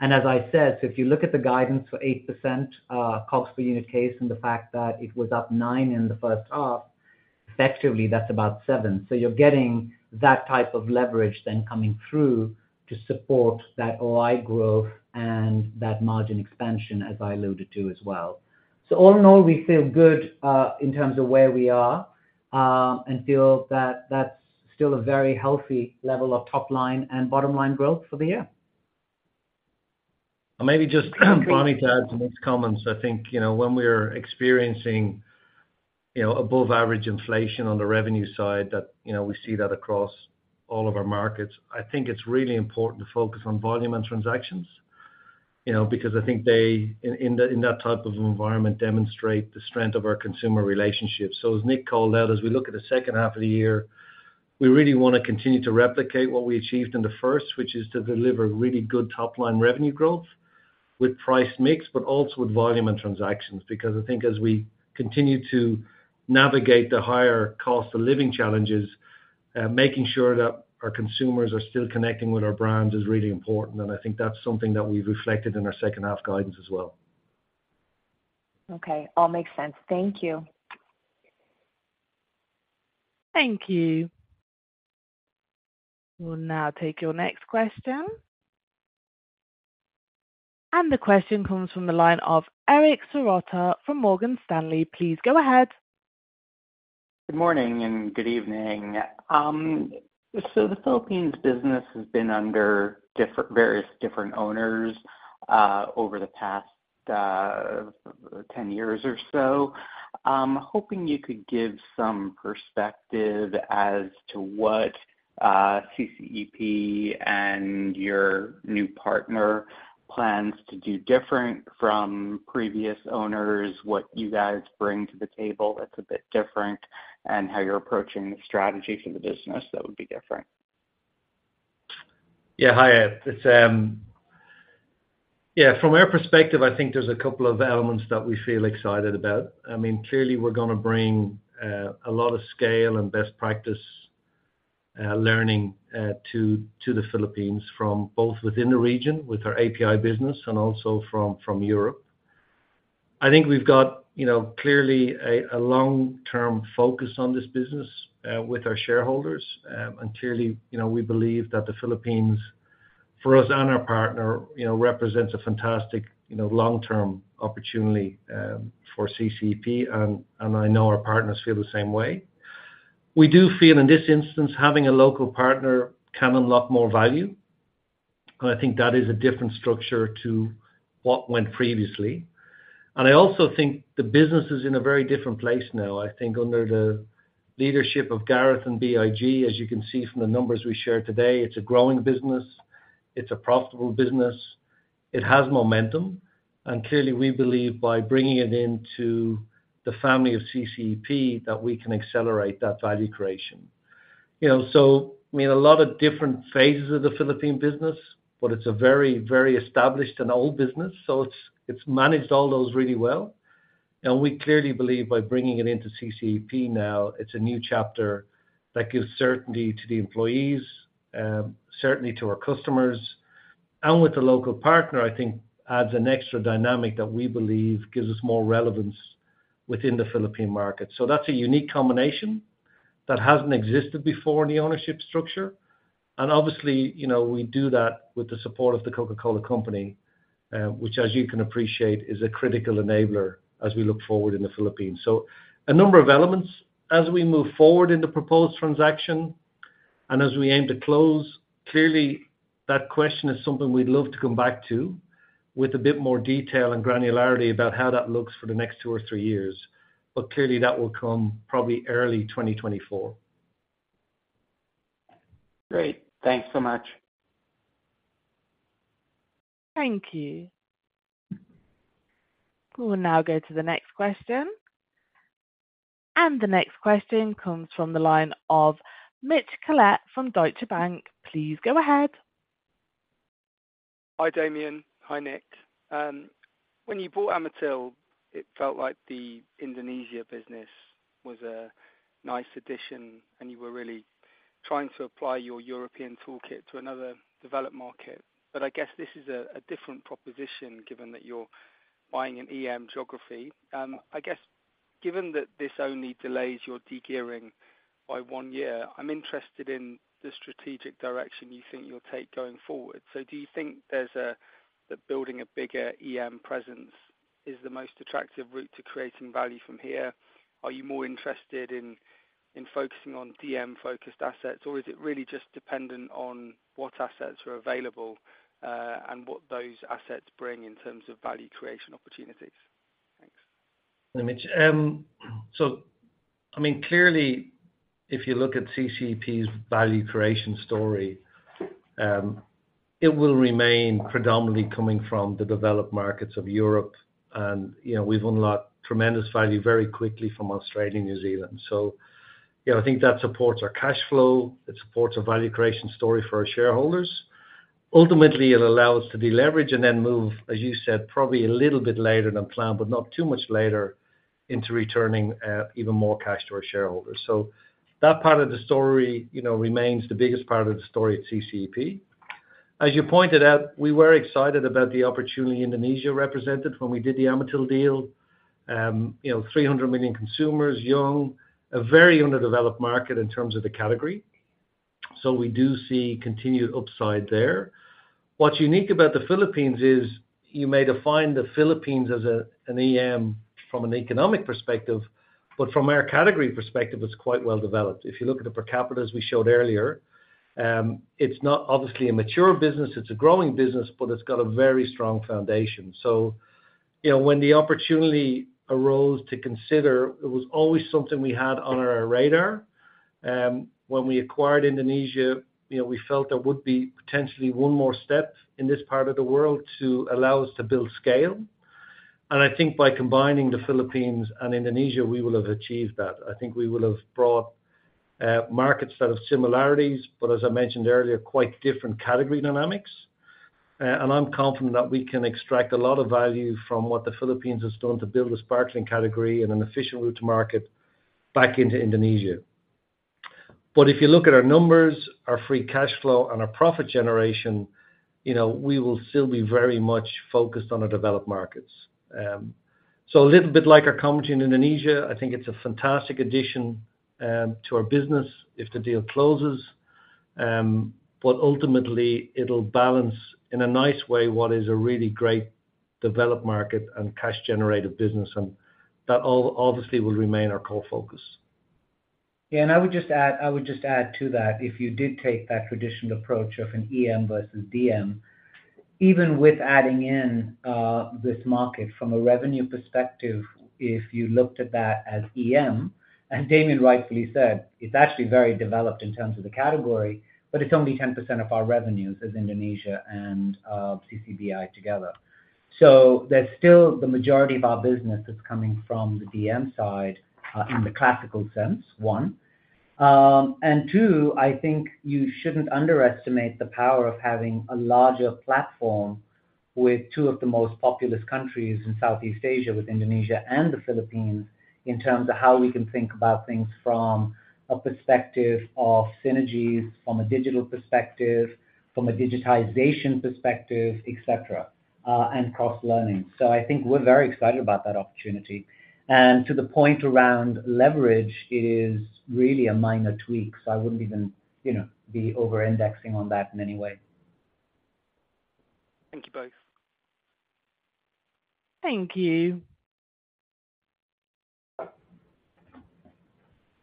As I said, so if you look at the guidance for 8%, COGS per unit case, and the fact that it was up 9 in the first half, effectively, that's about 7. You're getting that type of leverage then coming through to support that OI growth and that margin expansion, as I alluded to as well. All in all, we feel good, in terms of where we are, and feel that that's still a very healthy level of top line and bottom line growth for the year. Maybe just, Bonnie, to add to Nik's comments, I think, you know, when we're experiencing, you know, above average inflation on the revenue side, that, you know, we see that across all of our markets. I think it's really important to focus on volume and transactions, you know, because I think they, in, in that, in that type of environment, demonstrate the strength of our consumer relationships. As Nik called out, as we look at the second half of the year, we really wanna continue to replicate what we achieved in the first, which is to deliver really good top-line revenue growth with price mix, but also with volume and transactions. I think as we continue to navigate the higher cost of living challenges, making sure that our consumers are still connecting with our brands is really important, and I think that's something that we've reflected in our second half guidance as well. Okay. All makes sense. Thank you. Thank you. We'll now take your next question. The question comes from the line of Eric Serotta from Morgan Stanley. Please go ahead. Good morning and good evening. The Philippines business has been under various different owners over the past 10 years or so. I'm hoping you could give some perspective as to what CCEP and your new partner plans to do different from previous owners, what you guys bring to the table that's a bit different, and how you're approaching the strategy for the business that would be different? Yeah. Hi, Eric. It's, from our perspective, I think there's a couple of elements that we feel excited about. I mean, clearly, we're gonna bring a lot of scale and best practice learning to the Philippines from both within the region, with our API business and also from Europe. I think we've got, you know, clearly a long-term focus on this business with our shareholders. Clearly, you know, we believe that the Philippines, for us and our partner, you know, represents a fantastic, you know, long-term opportunity for CCEP, and I know our partners feel the same way. We do feel, in this instance, having a local partner can unlock more value, and I think that is a different structure to what went previously. I also think the business is in a very different place now. I think under the leadership of Gareth and BIG, as you can see from the numbers we shared today, it's a growing business, it's a profitable business, it has momentum. Clearly, we believe by bringing it into the family of CCEP, that we can accelerate that value creation. You know, we had a lot of different phases of the Philippine business, but it's a very, very established and old business, so it's, it's managed all those really well. We clearly believe by bringing it into CCEP now, it's a new chapter that gives certainty to the employees, certainly to our customers. With the local partner, I think adds an extra dynamic that we believe gives us more relevance within the Philippine market. That's a unique combination that hasn't existed before in the ownership structure. Obviously, you know, we do that with the support of The Coca-Cola Company, which, as you can appreciate, is a critical enabler as we look forward in the Philippines. A number of elements as we move forward in the proposed transaction and as we aim to close, clearly, that question is something we'd love to come back to with a bit more detail and granularity about how that looks for the next two or three years. Clearly, that will come probably early 2024. Great. Thanks so much. Thank you. We'll now go to the next question. The next question comes from the line of Mitch Collett from Deutsche Bank. Please go ahead. Hi, Damian. Hi, Nik. When you bought Amatil, it felt like the Indonesia business was a nice addition, and you were really trying to apply your European toolkit to another developed market. I guess this is a, a different proposition, given that you're buying an EM geography. I guess, given that this only delays your degearing by one year, I'm interested in the strategic direction you think you'll take going forward. Do you think there's that building a bigger EM presence is the most attractive route to creating value from here? Are you more interested in, in focusing on DM-focused assets, or is it really just dependent on what assets are available, and what those assets bring in terms of value creation opportunities? Thanks. Mitch, I mean, clearly, if you look at CCEP's value creation story, it will remain predominantly coming from the developed markets of Europe. You know, we've unlocked tremendous value very quickly from Australia and New Zealand. You know, I think that supports our cash flow. It supports a value creation story for our shareholders. Ultimately, it'll allow us to deleverage and then move, as you said, probably a little bit later than planned, but not too much later, into returning even more cash to our shareholders. That part of the story, you know, remains the biggest part of the story at CCEP. As you pointed out, we were excited about the opportunity Indonesia represented when we did the Amatil deal. You know, 300 million consumers, young, a very underdeveloped market in terms of the category, so we do see continued upside there. What's unique about the Philippines is, you may define the Philippines as an EM from an economic perspective, but from our category perspective, it's quite well-developed. If you look at the per capita, as we showed earlier, it's not obviously a mature business, it's a growing business, but it's got a very strong foundation. you know, when the opportunity arose to consider, it was always something we had on our radar. When we acquired Indonesia, you know, we felt there would be potentially one more step in this part of the world to allow us to build scale. I think by combining the Philippines and Indonesia, we will have achieved that. I think we will have brought markets that have similarities, but as I mentioned earlier, quite different category dynamics. I'm confident that we can extract a lot of value from what the Philippines has done to build a sparkling category and an efficient route to market back into Indonesia. If you look at our numbers, our free cash flow and our profit generation, you know, we will still be very much focused on the developed markets. A little bit like our commentary in Indonesia, I think it's a fantastic addition to our business, if the deal closes. Ultimately, it'll balance, in a nice way, what is a really great developed market and cash generative business, and that obviously, will remain our core focus. Yeah, I would just add, I would just add to that, if you did take that traditional approach of an EM versus DM, even with adding in, this market from a revenue perspective, if you looked at that as EM, as Damian rightfully said, it's actually very developed in terms of the category, but it's only 10% of our revenues as Indonesia and CCBPI together. There's still the majority of our business that's coming from the DM side, in the classical sense, one. Two, I think you shouldn't underestimate the power of having a larger platform with two of the most populous countries in Southeast Asia, with Indonesia and the Philippines, in terms of how we can think about things from a perspective of synergies, from a digital perspective, from a digitization perspective, et cetera, and cross-learning. I think we're very excited about that opportunity. To the point around leverage, it is really a minor tweak, so I wouldn't even, you know, be over-indexing on that in any way. Thank you, both. Thank you.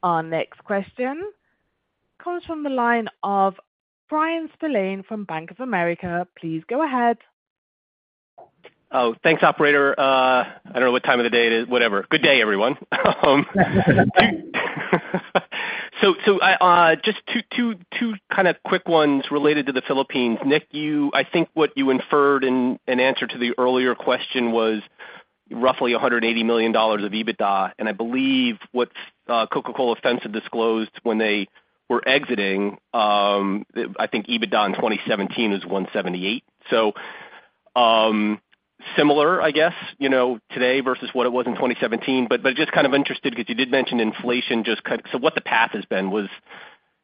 Our next question comes from the line of Bryan Spillane from Bank of America. Please go ahead. Oh, thanks, Operator. I don't know what time of the day it is. Whatever. Good day, everyone. So, I just two, two, two kind of quick ones related to the Philippines. Nik, you... I think what you inferred in, in answer to the earlier question was roughly $180 million of EBITDA, and I believe what Coca-Cola FEMSA had disclosed when they were exiting, I think EBITDA in 2017 is $178 million. Similar, I guess, you know, today versus what it was in 2017, but just kind of interested, because you did mention inflation so what the path has been was,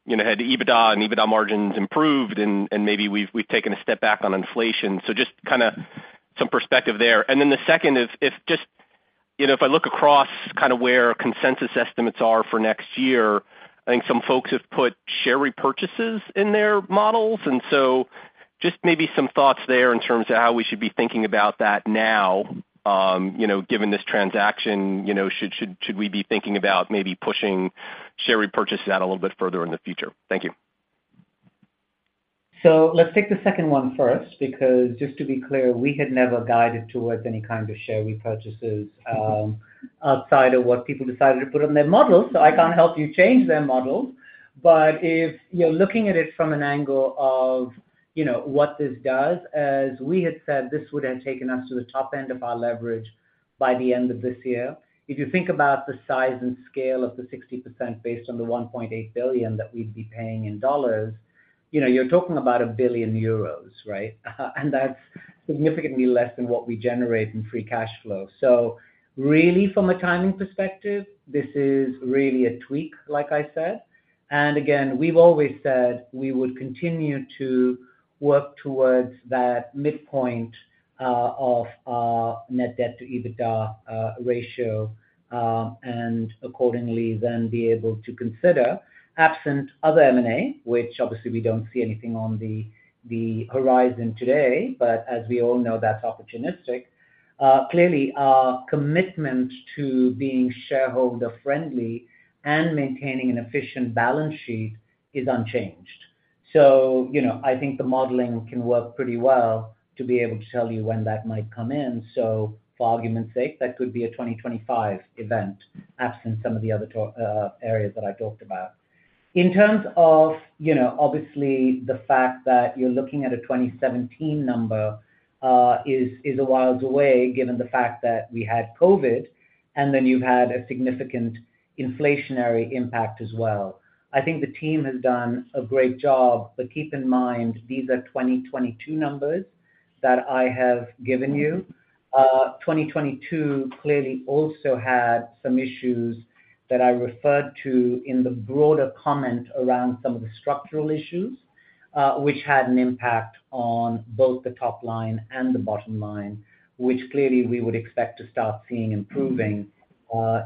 you know, had the EBITDA and EBITDA margins improved and maybe we've, we've taken a step back on inflation. Just kinda some perspective there. The second is, if just, you know, if I look across kind of where consensus estimates are for next year, I think some folks have put share repurchases in their models. Just maybe some thoughts there in terms of how we should be thinking about that now, you know, given this transaction. You know, should we be thinking about maybe pushing share repurchases out a little bit further in the future? Thank you. .Let's take the second one first, because just to be clear, we had never guided towards any kind of share repurchases, outside of what people decided to put on their model. I can't help you change their model. If you're looking at it from an angle of, you know, what this does, as we had said, this would have taken us to the top end of our leverage by the end of this year. If you think about the size and scale of the 60% based on the $1.8 billion that we'd be paying, you know, you're talking about 1 billion euros, right? That's significantly less than what we generate in free cash flow. Really, from a timing perspective, this is really a tweak, like I said. Again, we've always said we would continue to work towards that midpoint of our net debt to EBITDA ratio, and accordingly then be able to consider, absent other M&A, which obviously we don't see anything on the horizon today, but as we all know, that's opportunistic. Clearly, our commitment to being shareholder-friendly and maintaining an efficient balance sheet is unchanged. You know, I think the modeling can work pretty well to be able to tell you when that might come in. For argument's sake, that could be a 2025 event, absent some of the other areas that I talked about. In terms of, you know, obviously, the fact that you're looking at a 2017 number is, is a while away, given the fact that we had COVID, and then you've had a significant inflationary impact as well. I think the team has done a great job, but keep in mind, these are 2022 numbers that I have given you. 2022 clearly also had some issues that I referred to in the broader comment around some of the structural issues, which had an impact on both the top line and the bottom line, which clearly we would expect to start seeing improving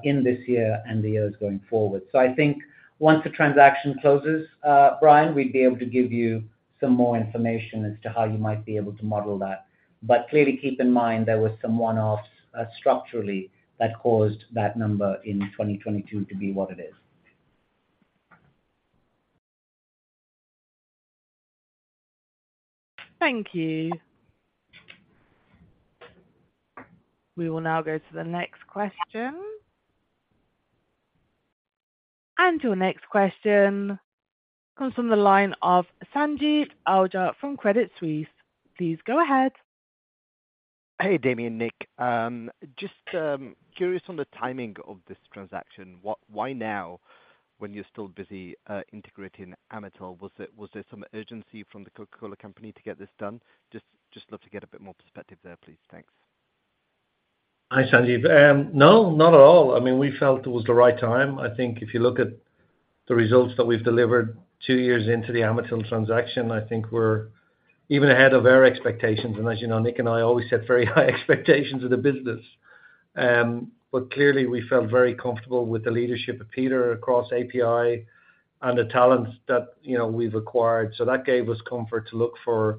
in this year and the years going forward. I think once the transaction closes, Bryan, we'd be able to give you some more information as to how you might be able to model that. Clearly, keep in mind, there was some one-offs, structurally that caused that number in 2022 to be what it is. Thank you. We will now go to the next question. Your next question comes from the line of Sanjeet Aujla from Credit Suisse. Please go ahead. Hey, Damian, Nik. Just curious on the timing of this transaction. Why now, when you're still busy integrating Amatil? Was there some urgency from The Coca-Cola Company to get this done? Just love to get a bit more perspective there, please. Thanks. Hi, Sanjeet. No, not at all. I mean, we felt it was the right time. I think if you look at the results that we've delivered two years into the Amatil transaction, I think we're even ahead of our expectations. As you know, Nik and I always set very high expectations of the business. Clearly, we felt very comfortable with the leadership of Peter across API and the talents that, you know, we've acquired. That gave us comfort to look for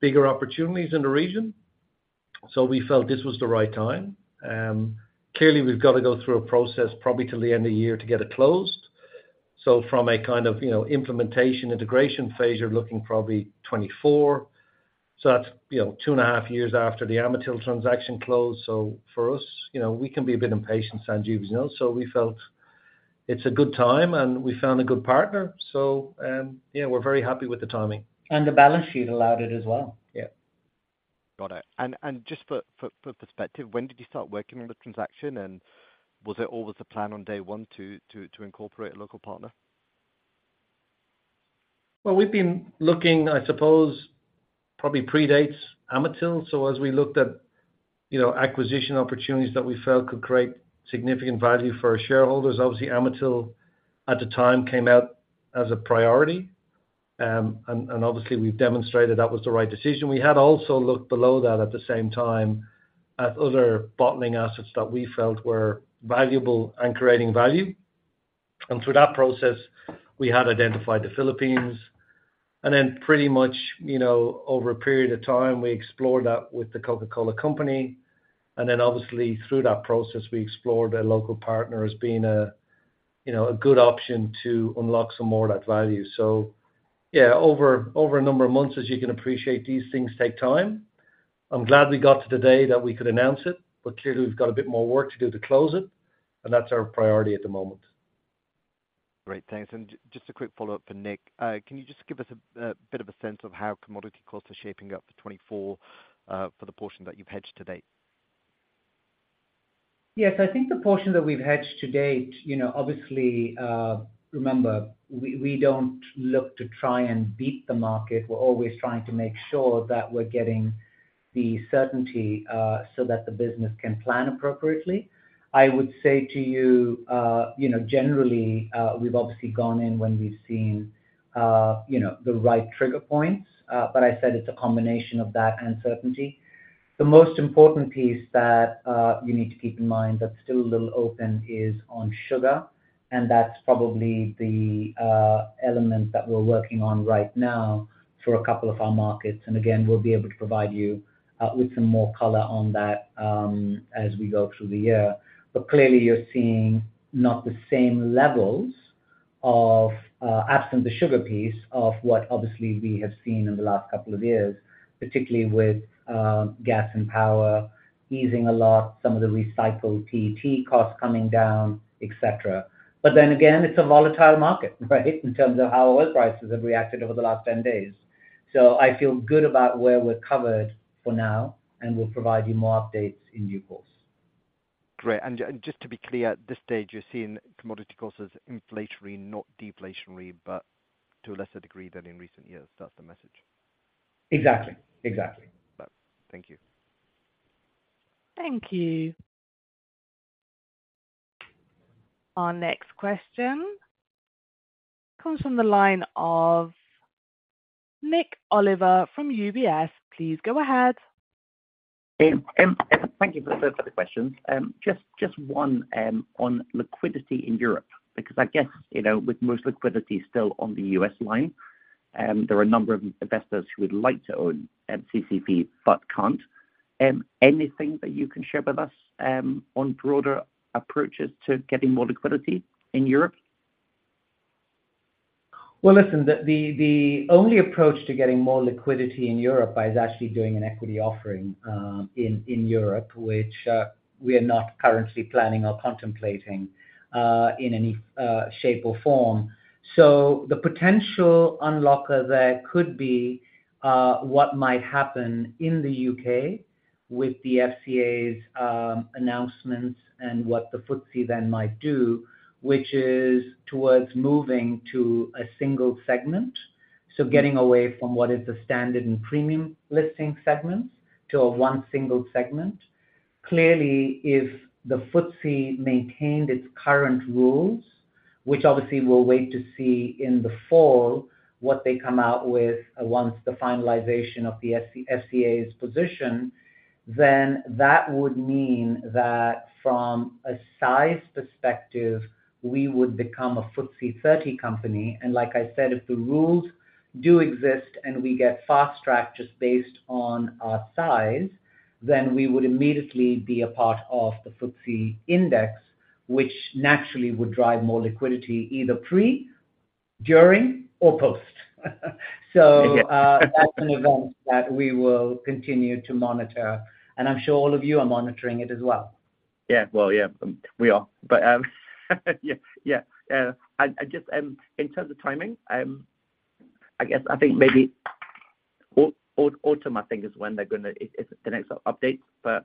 bigger opportunities in the region. We felt this was the right time. Clearly, we've got to go through a process, probably till the end of the year, to get it closed. From a kind of, you know, implementation, integration phase, you're looking probably 2024. That's, you know, two and a half years after the Amatil transaction closed. For us, you know, we can be a bit impatient, Sanjeet, as you know, so we felt it's a good time, and we found a good partner. Yeah, we're very happy with the timing. The balance sheet allowed it as well. Yeah. Got it. Just for, for, for perspective, when did you start working on the transaction? Was it always the plan on day one to, to, to incorporate a local partner? Well, we've been looking, I suppose, probably predates Amatil. As we looked at, you know, acquisition opportunities that we felt could create significant value for our shareholders, obviously, Amatil, at the time, came out as a priority. Obviously, we've demonstrated that was the right decision. We had also looked below that at the same time at other bottling assets that we felt were valuable and creating value. Through that process, we had identified the Philippines. Then pretty much, you know, over a period of time, we explored that with The Coca-Cola Company. Then obviously, through that process, we explored a local partner as being a, you know, a good option to unlock some more of that value. Yeah, over, over a number of months, as you can appreciate, these things take time. I'm glad we got to today that we could announce it, but clearly, we've got a bit more work to do to close it, and that's our priority at the moment. Great. Thanks. Just a quick follow-up for Nik. Can you just give us a bit of a sense of how commodity costs are shaping up for 2024, for the portion that you've hedged to date? Yes, I think the portion that we've hedged to date, you know, obviously, remember, we, we don't look to try and beat the market. We're always trying to make sure that we're getting the certainty, so that the business can plan appropriately. I would say to you, you know, generally, we've obviously gone in when we've seen, you know, the right trigger points. I said it's a combination of that and certainty. The most important piece that, you need to keep in mind that's still a little open is on sugar, and that's probably the element that we're working on right now for a couple of our markets. And again, we'll be able to provide you with some more color on that as we go through the year. Clearly, you're seeing not the same levels-. of, absent the sugar piece of what obviously we have seen in the last couple of years, particularly with, gas and power easing a lot, some of the recycled PET costs coming down, et cetera. It's a volatile market, right? In terms of how oil prices have reacted over the last 10 days. I feel good about where we're covered for now, and we'll provide you more updates in due course. Great. Just to be clear, at this stage, you're seeing commodity costs as inflationary, not deflationary, but to a lesser degree than in recent years. That's the message? Exactly. Exactly. Thank you. Thank you. Our next question comes from the line of Nik Oliver from UBS. Please go ahead. Thank you for the questions. Just one on liquidity in Europe, because I guess, you know, with most liquidity still on the U.S. line, there are a number of investors who would like to own CCEP, but can't. Anything that you can share with us on broader approaches to getting more liquidity in Europe? Well, listen, the, the, the only approach to getting more liquidity in Europe is actually doing an equity offering, in, in Europe, which we are not currently planning or contemplating, in any shape or form. The potential unlocker there could be what might happen in the UK with the FCA's announcements and what the FTSE then might do, which is towards moving to a single segment. Getting away from what is the standard and premium listing segments, to a one single segment. Clearly, if the FTSE maintained its current rules, which obviously we'll wait to see in the fall, what they come out with, once the finalization of the FCA's position, then that would mean that from a size perspective, we would become a FTSE 30 company. Like I said, if the rules do exist, and we get fast-tracked just based on our size, then we would immediately be a part of the FTSE index, which naturally would drive more liquidity either pre, during, or post. Yeah. That's an event that we will continue to monitor, and I'm sure all of you are monitoring it as well. Yeah. Well, yeah, we are. Yeah, yeah. I, I just, in terms of timing, I guess, I think maybe autumn, I think, is when they're gonna... It, it's the next update, but...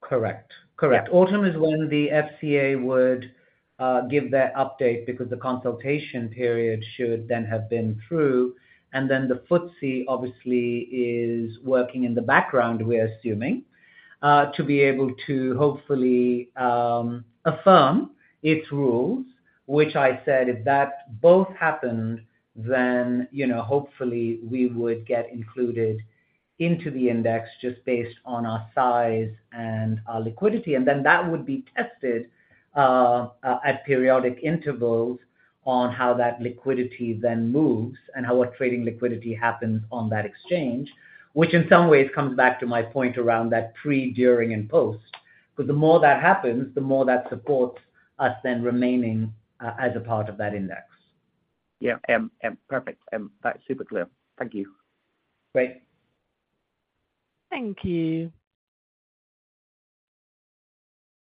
Correct. Correct. Yeah. Autumn is when the FCA would give their update because the consultation period should then have been through, and then the FTSE obviously is working in the background, we're assuming, to be able to hopefully affirm its rules, which I said if that both happened, then, you know, hopefully, we would get included into the index just based on our size and our liquidity. Then that would be tested at periodic intervals on how that liquidity then moves and how our trading liquidity happens on that exchange, which in some ways comes back to my point around that pre, during, and post. 'Cause the more that happens, the more that supports us then remaining as a part of that index. Yeah, perfect, that's super clear. Thank you. Great. Thank you.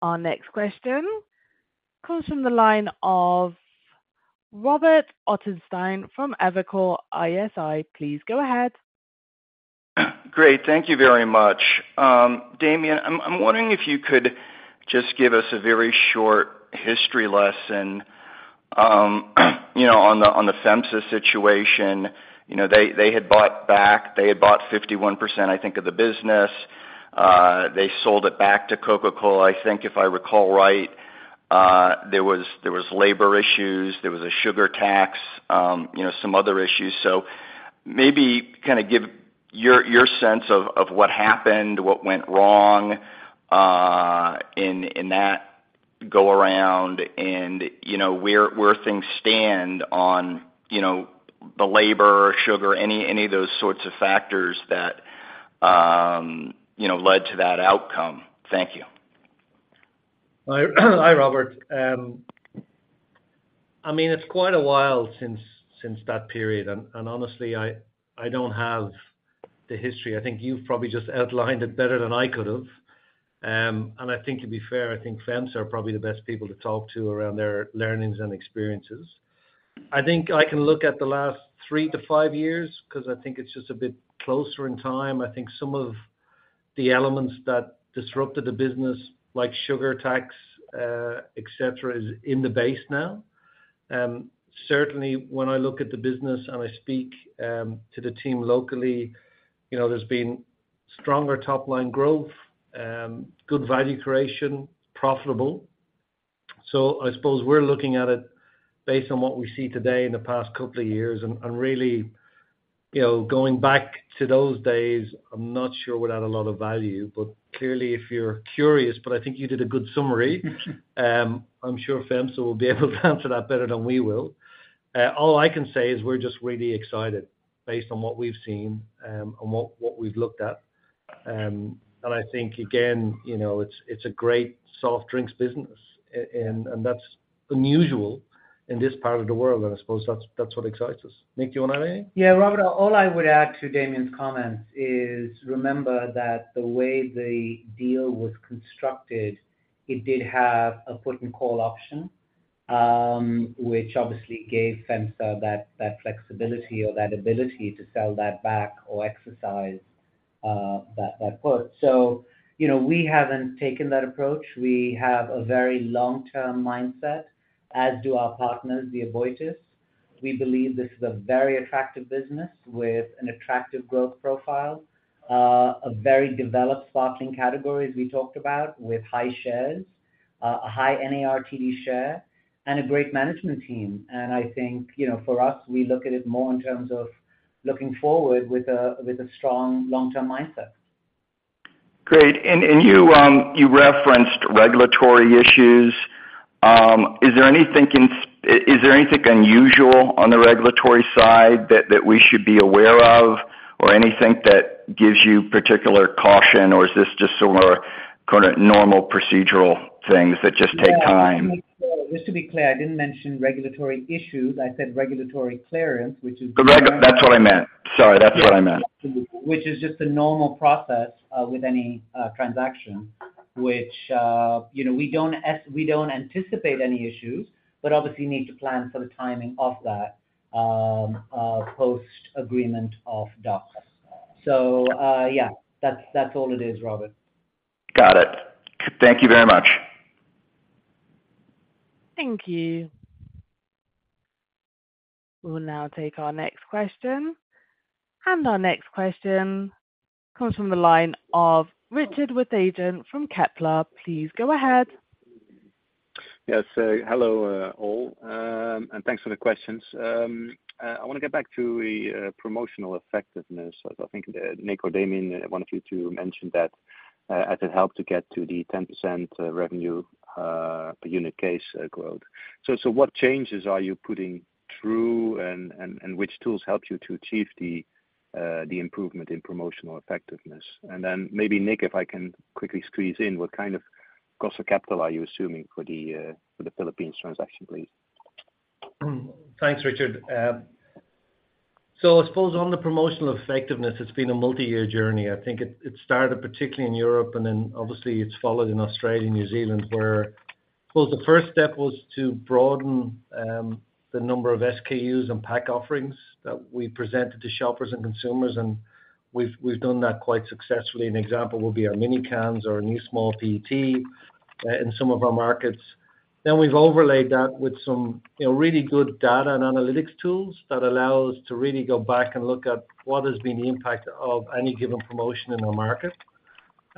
Our next question comes from the line of Robert Ottenstein from Evercore ISI. Please go ahead. Great. Thank you very much. Damian, I'm, I'm wondering if you could just give us a very short history lesson, you know, on the, on the FEMSA situation. You know, they, they had bought back, they had bought 51%, I think, of the business. They sold it back to Coca-Cola. I think, if I recall right, there was, there was labor issues, there was a sugar tax, you know, some other issues. Maybe kind of give your, your sense of, of what happened, what went wrong, in, in that go around and, you know, where, where things stand on, you know, the labor, sugar, any, any of those sorts of factors that, you know, led to that outcome. Thank you. Hi, hi, Robert. I mean, it's quite a while since, since that period, and, and honestly, I, I don't have the history. I think you've probably just outlined it better than I could have. I think to be fair, I think FEMSA are probably the best people to talk to around their learnings and experiences. I think I can look at the last three to five years, 'cause I think it's just a bit closer in time. I think some of the elements that disrupted the business, like sugar tax, et cetera, is in the base now. Certainly when I look at the business and I speak, to the team locally, you know, there's been stronger top-line growth, good value creation, profitable. I suppose we're looking at it based on what we see today in the past couple of years and, and really, you know, going back to those days, I'm not sure would add a lot of value, but clearly, if you're curious, but I think you did a good summary. I'm sure FEMSA will be able to answer that better than we will. All I can say is we're just really excited based on what we've seen, and what, what we've looked at. And I think, again, you know, it's, it's a great soft drinks business, and, and that's unusual in this part of the world, and I suppose that's, that's what excites us. Nik, do you want to add anything? Yeah, Robert, all I would add to Damian's comments is, remember that the way the deal was constructed, it did have a put and call option, which obviously gave FEMSA that, that flexibility or that ability to sell that back or exercise that, that put. You know, we haven't taken that approach. We have a very long-term mindset, as do our partners, the Aboitiz. We believe this is a very attractive business with an attractive growth profile, a very developed sparkling category, as we talked about, with high shares, a high NARTD share, and a great management team. I think, you know, for us, we look at it more in terms of looking forward with a, with a strong long-term mindset. Great. And you, you referenced regulatory issues. Is there anything in- i- is there anything unusual on the regulatory side that, that we should be aware of, or anything that gives you particular caution, or is this just sort of normal procedural things that just take time? Just to be clear, I didn't mention regulatory issues. I said regulatory clearance, which is-. That's what I meant. Sorry, that's what I meant. Which is just a normal process, with any transaction, you know, we don't we don't anticipate any issues, but obviously need to plan for the timing of that, post-agreement of docs. Yeah, that's, that's all it is, Robert. Got it. Thank you very much. Thank you. We will now take our next question. Our next question comes from the line of Richard Withagen from Kepler. Please go ahead. Yes. Hello, all, and thanks for the questions. I want to get back to the promotional effectiveness. I think, Nik or Damian, one of you two mentioned that, as it helped to get to the 10% revenue per unit case growth. What changes are you putting through and which tools help you to achieve the improvement in promotional effectiveness? Then maybe Nik, if I can quickly squeeze in, what kind of cost of capital are you assuming for the Philippines transaction, please? Thanks, Richard. I suppose on the promotional effectiveness, it's been a multi-year journey. I think it, it started particularly in Europe, then obviously it's followed in Australia and New Zealand, where... Well, the first step was to broaden the number of SKUs and pack offerings that we presented to shoppers and consumers, we've, we've done that quite successfully. An example would be our mini cans or our new small PET in some of our markets. We've overlaid that with some, you know, really good data and analytics tools that allow us to really go back and look at what has been the impact of any given promotion in the market.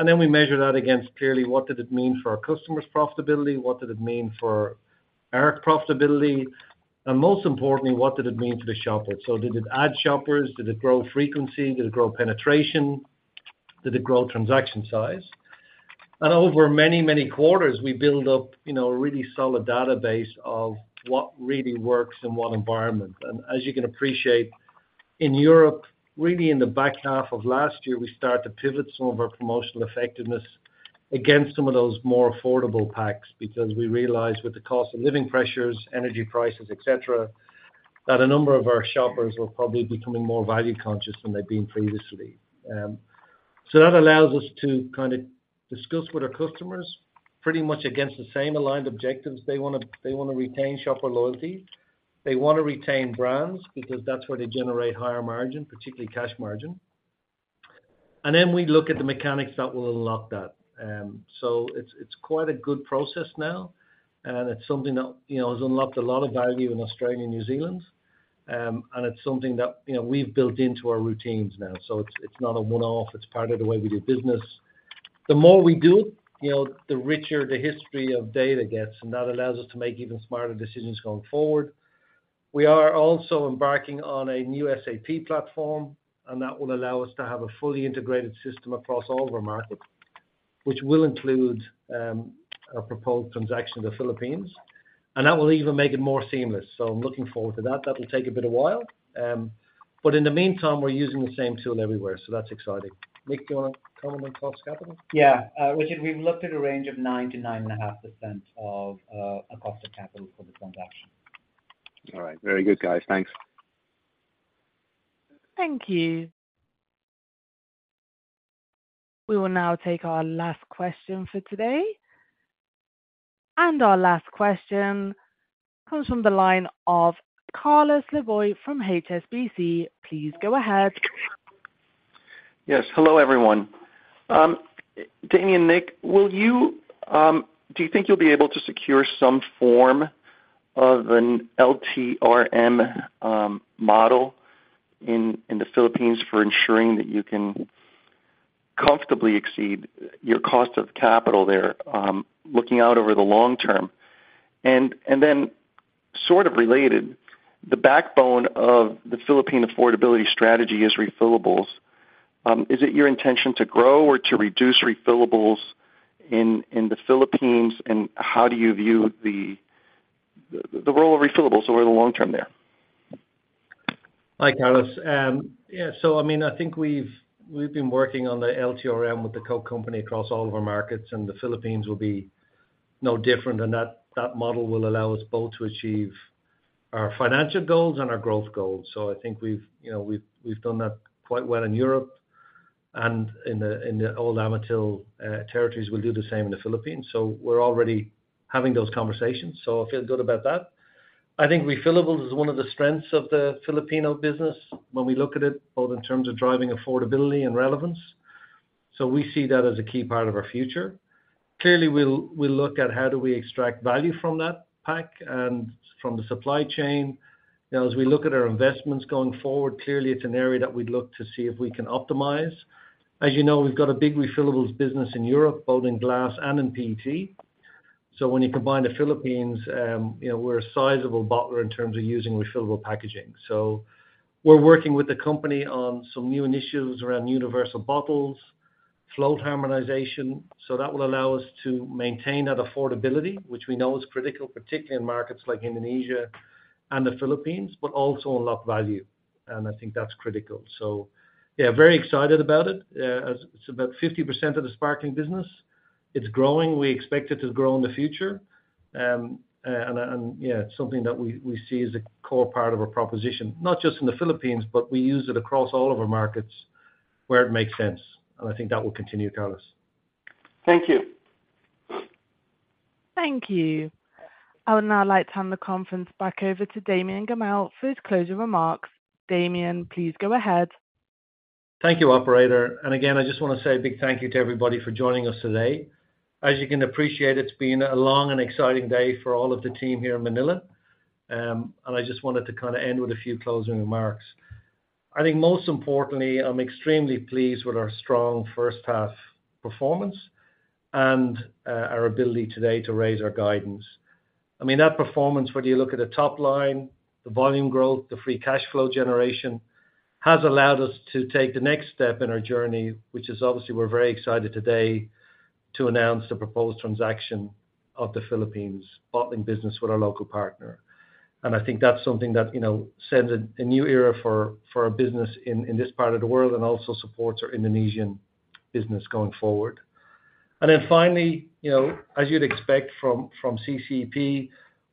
Then we measure that against clearly, what did it mean for our customers' profitability? What did it mean for our profitability? Most importantly, what did it mean to the shopper? Did it add shoppers? Did it grow frequency? Did it grow penetration? Did it grow transaction size? Over many, many quarters, we build up, you know, a really solid database of what really works in what environment. As you can appreciate, in Europe, really in the back half of last year, we started to pivot some of our promotional effectiveness against some of those more affordable packs, because we realized with the cost of living pressures, energy prices, et cetera, that a number of our shoppers were probably becoming more value conscious than they've been previously. That allows us to kind of discuss with our customers pretty much against the same aligned objectives. They wanna retain shopper loyalty. They want to retain brands, because that's where they generate higher margin, particularly cash margin. Then we look at the mechanics that will unlock that. It's, it's quite a good process now, and it's something that, you know, has unlocked a lot of value in Australia and New Zealand, and it's something that, you know, we've built into our routines now. It's, it's not a one-off, it's part of the way we do business. The more we do, you know, the richer the history of data gets, and that allows us to make even smarter decisions going forward. We are also embarking on a new SAP platform, and that will allow us to have a fully integrated system across all of our markets, which will include, a proposed transaction in the Philippines, and that will even make it more seamless. I'm looking forward to that. That will take a bit of while. In the meantime, we're using the same tool everywhere. That's exciting. Nik, do you want to comment on cost capital? Yeah. Richard, we've looked at a range of 9%-9.5% of a cost of capital for the transaction. All right. Very good, guys. Thanks. Thank you. We will now take our last question for today. Our last question comes from the line of Carlos Laboy from HSBC. Please go ahead. Yes. Hello, everyone. Damian, Nik, will you... Do you think you'll be able to secure some form of an LTRM model in the Philippines for ensuring that you can comfortably exceed your cost of capital there, looking out over the long term? The backbone of the Philippine affordability strategy is refillables. Is it your intention to grow or to reduce refillables in the Philippines? How do you view the role of refillables over the long term there? Hi, Carlos. I mean, I think we've, we've been working on the LTRM with the Coke company across all of our markets. The Philippines will be no different. That, that model will allow us both to achieve our financial goals and our growth goals. I think we've, you know, we've, we've done that quite well in Europe and in the, in the old Amatil territories. We'll do the same in the Philippines. We're already having those conversations, so I feel good about that. I think refillables is one of the strengths of the Filipino business when we look at it, both in terms of driving affordability and relevance. We see that as a key part of our future. Clearly, we'll, we'll look at how do we extract value from that pack and from the supply chain. You know, as we look at our investments going forward, clearly, it's an area that we'd look to see if we can optimize. As you know, we've got a big refillables business in Europe, both in glass and in PET. When you combine the Philippines, you know, we're a sizable bottler in terms of using refillable packaging. We're working with the company on some new initiatives around universal bottles, flow harmonization, so that will allow us to maintain that affordability, which we know is critical, particularly in markets like Indonesia and the Philippines, but also unlock value. I think that's critical. Yeah, very excited about it. As it's about 50% of the sparkling business. It's growing, we expect it to grow in the future. Yeah, it's something that we, we see as a core part of our proposition, not just in the Philippines, but we use it across all of our markets where it makes sense. And I think that will continue, Carlos. Thank you. Thank you. I would now like to hand the conference back over to Damian Gammell for his closing remarks. Damian, please go ahead. Thank you, Operator. Again, I just wanna say a big thank you to everybody for joining us today. As you can appreciate, it's been a long and exciting day for all of the team here in Manila. I just wanted to kinda end with a few closing remarks. I think most importantly, I'm extremely pleased with our strong first half performance and our ability today to raise our guidance. I mean, that performance, whether you look at the top line, the volume growth, the free cash flow generation, has allowed us to take the next step in our journey, which is obviously we're very excited today to announce the proposed transaction of the Philippines bottling business with our local partner. I think that's something that, you know, sets a, a new era for, for our business in, in this part of the world, and also supports our Indonesian business going forward. Finally, you know, as you'd expect from, from CCEP,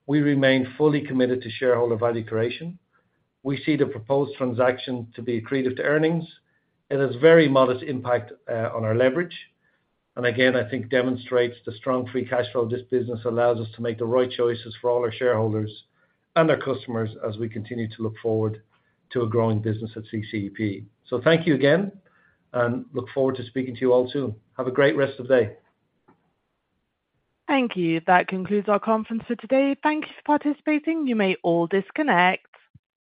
we remain fully committed to shareholder value creation. We see the proposed transaction to be accretive to earnings. It has very modest impact on our leverage, and again, I think demonstrates the strong free cash flow this business allows us to make the right choices for all our shareholders and our customers as we continue to look forward to a growing business at CCEP. Thank you again, and look forward to speaking to you all soon. Have a great rest of day. Thank you. That concludes our conference for today. Thank you for participating. You may all disconnect.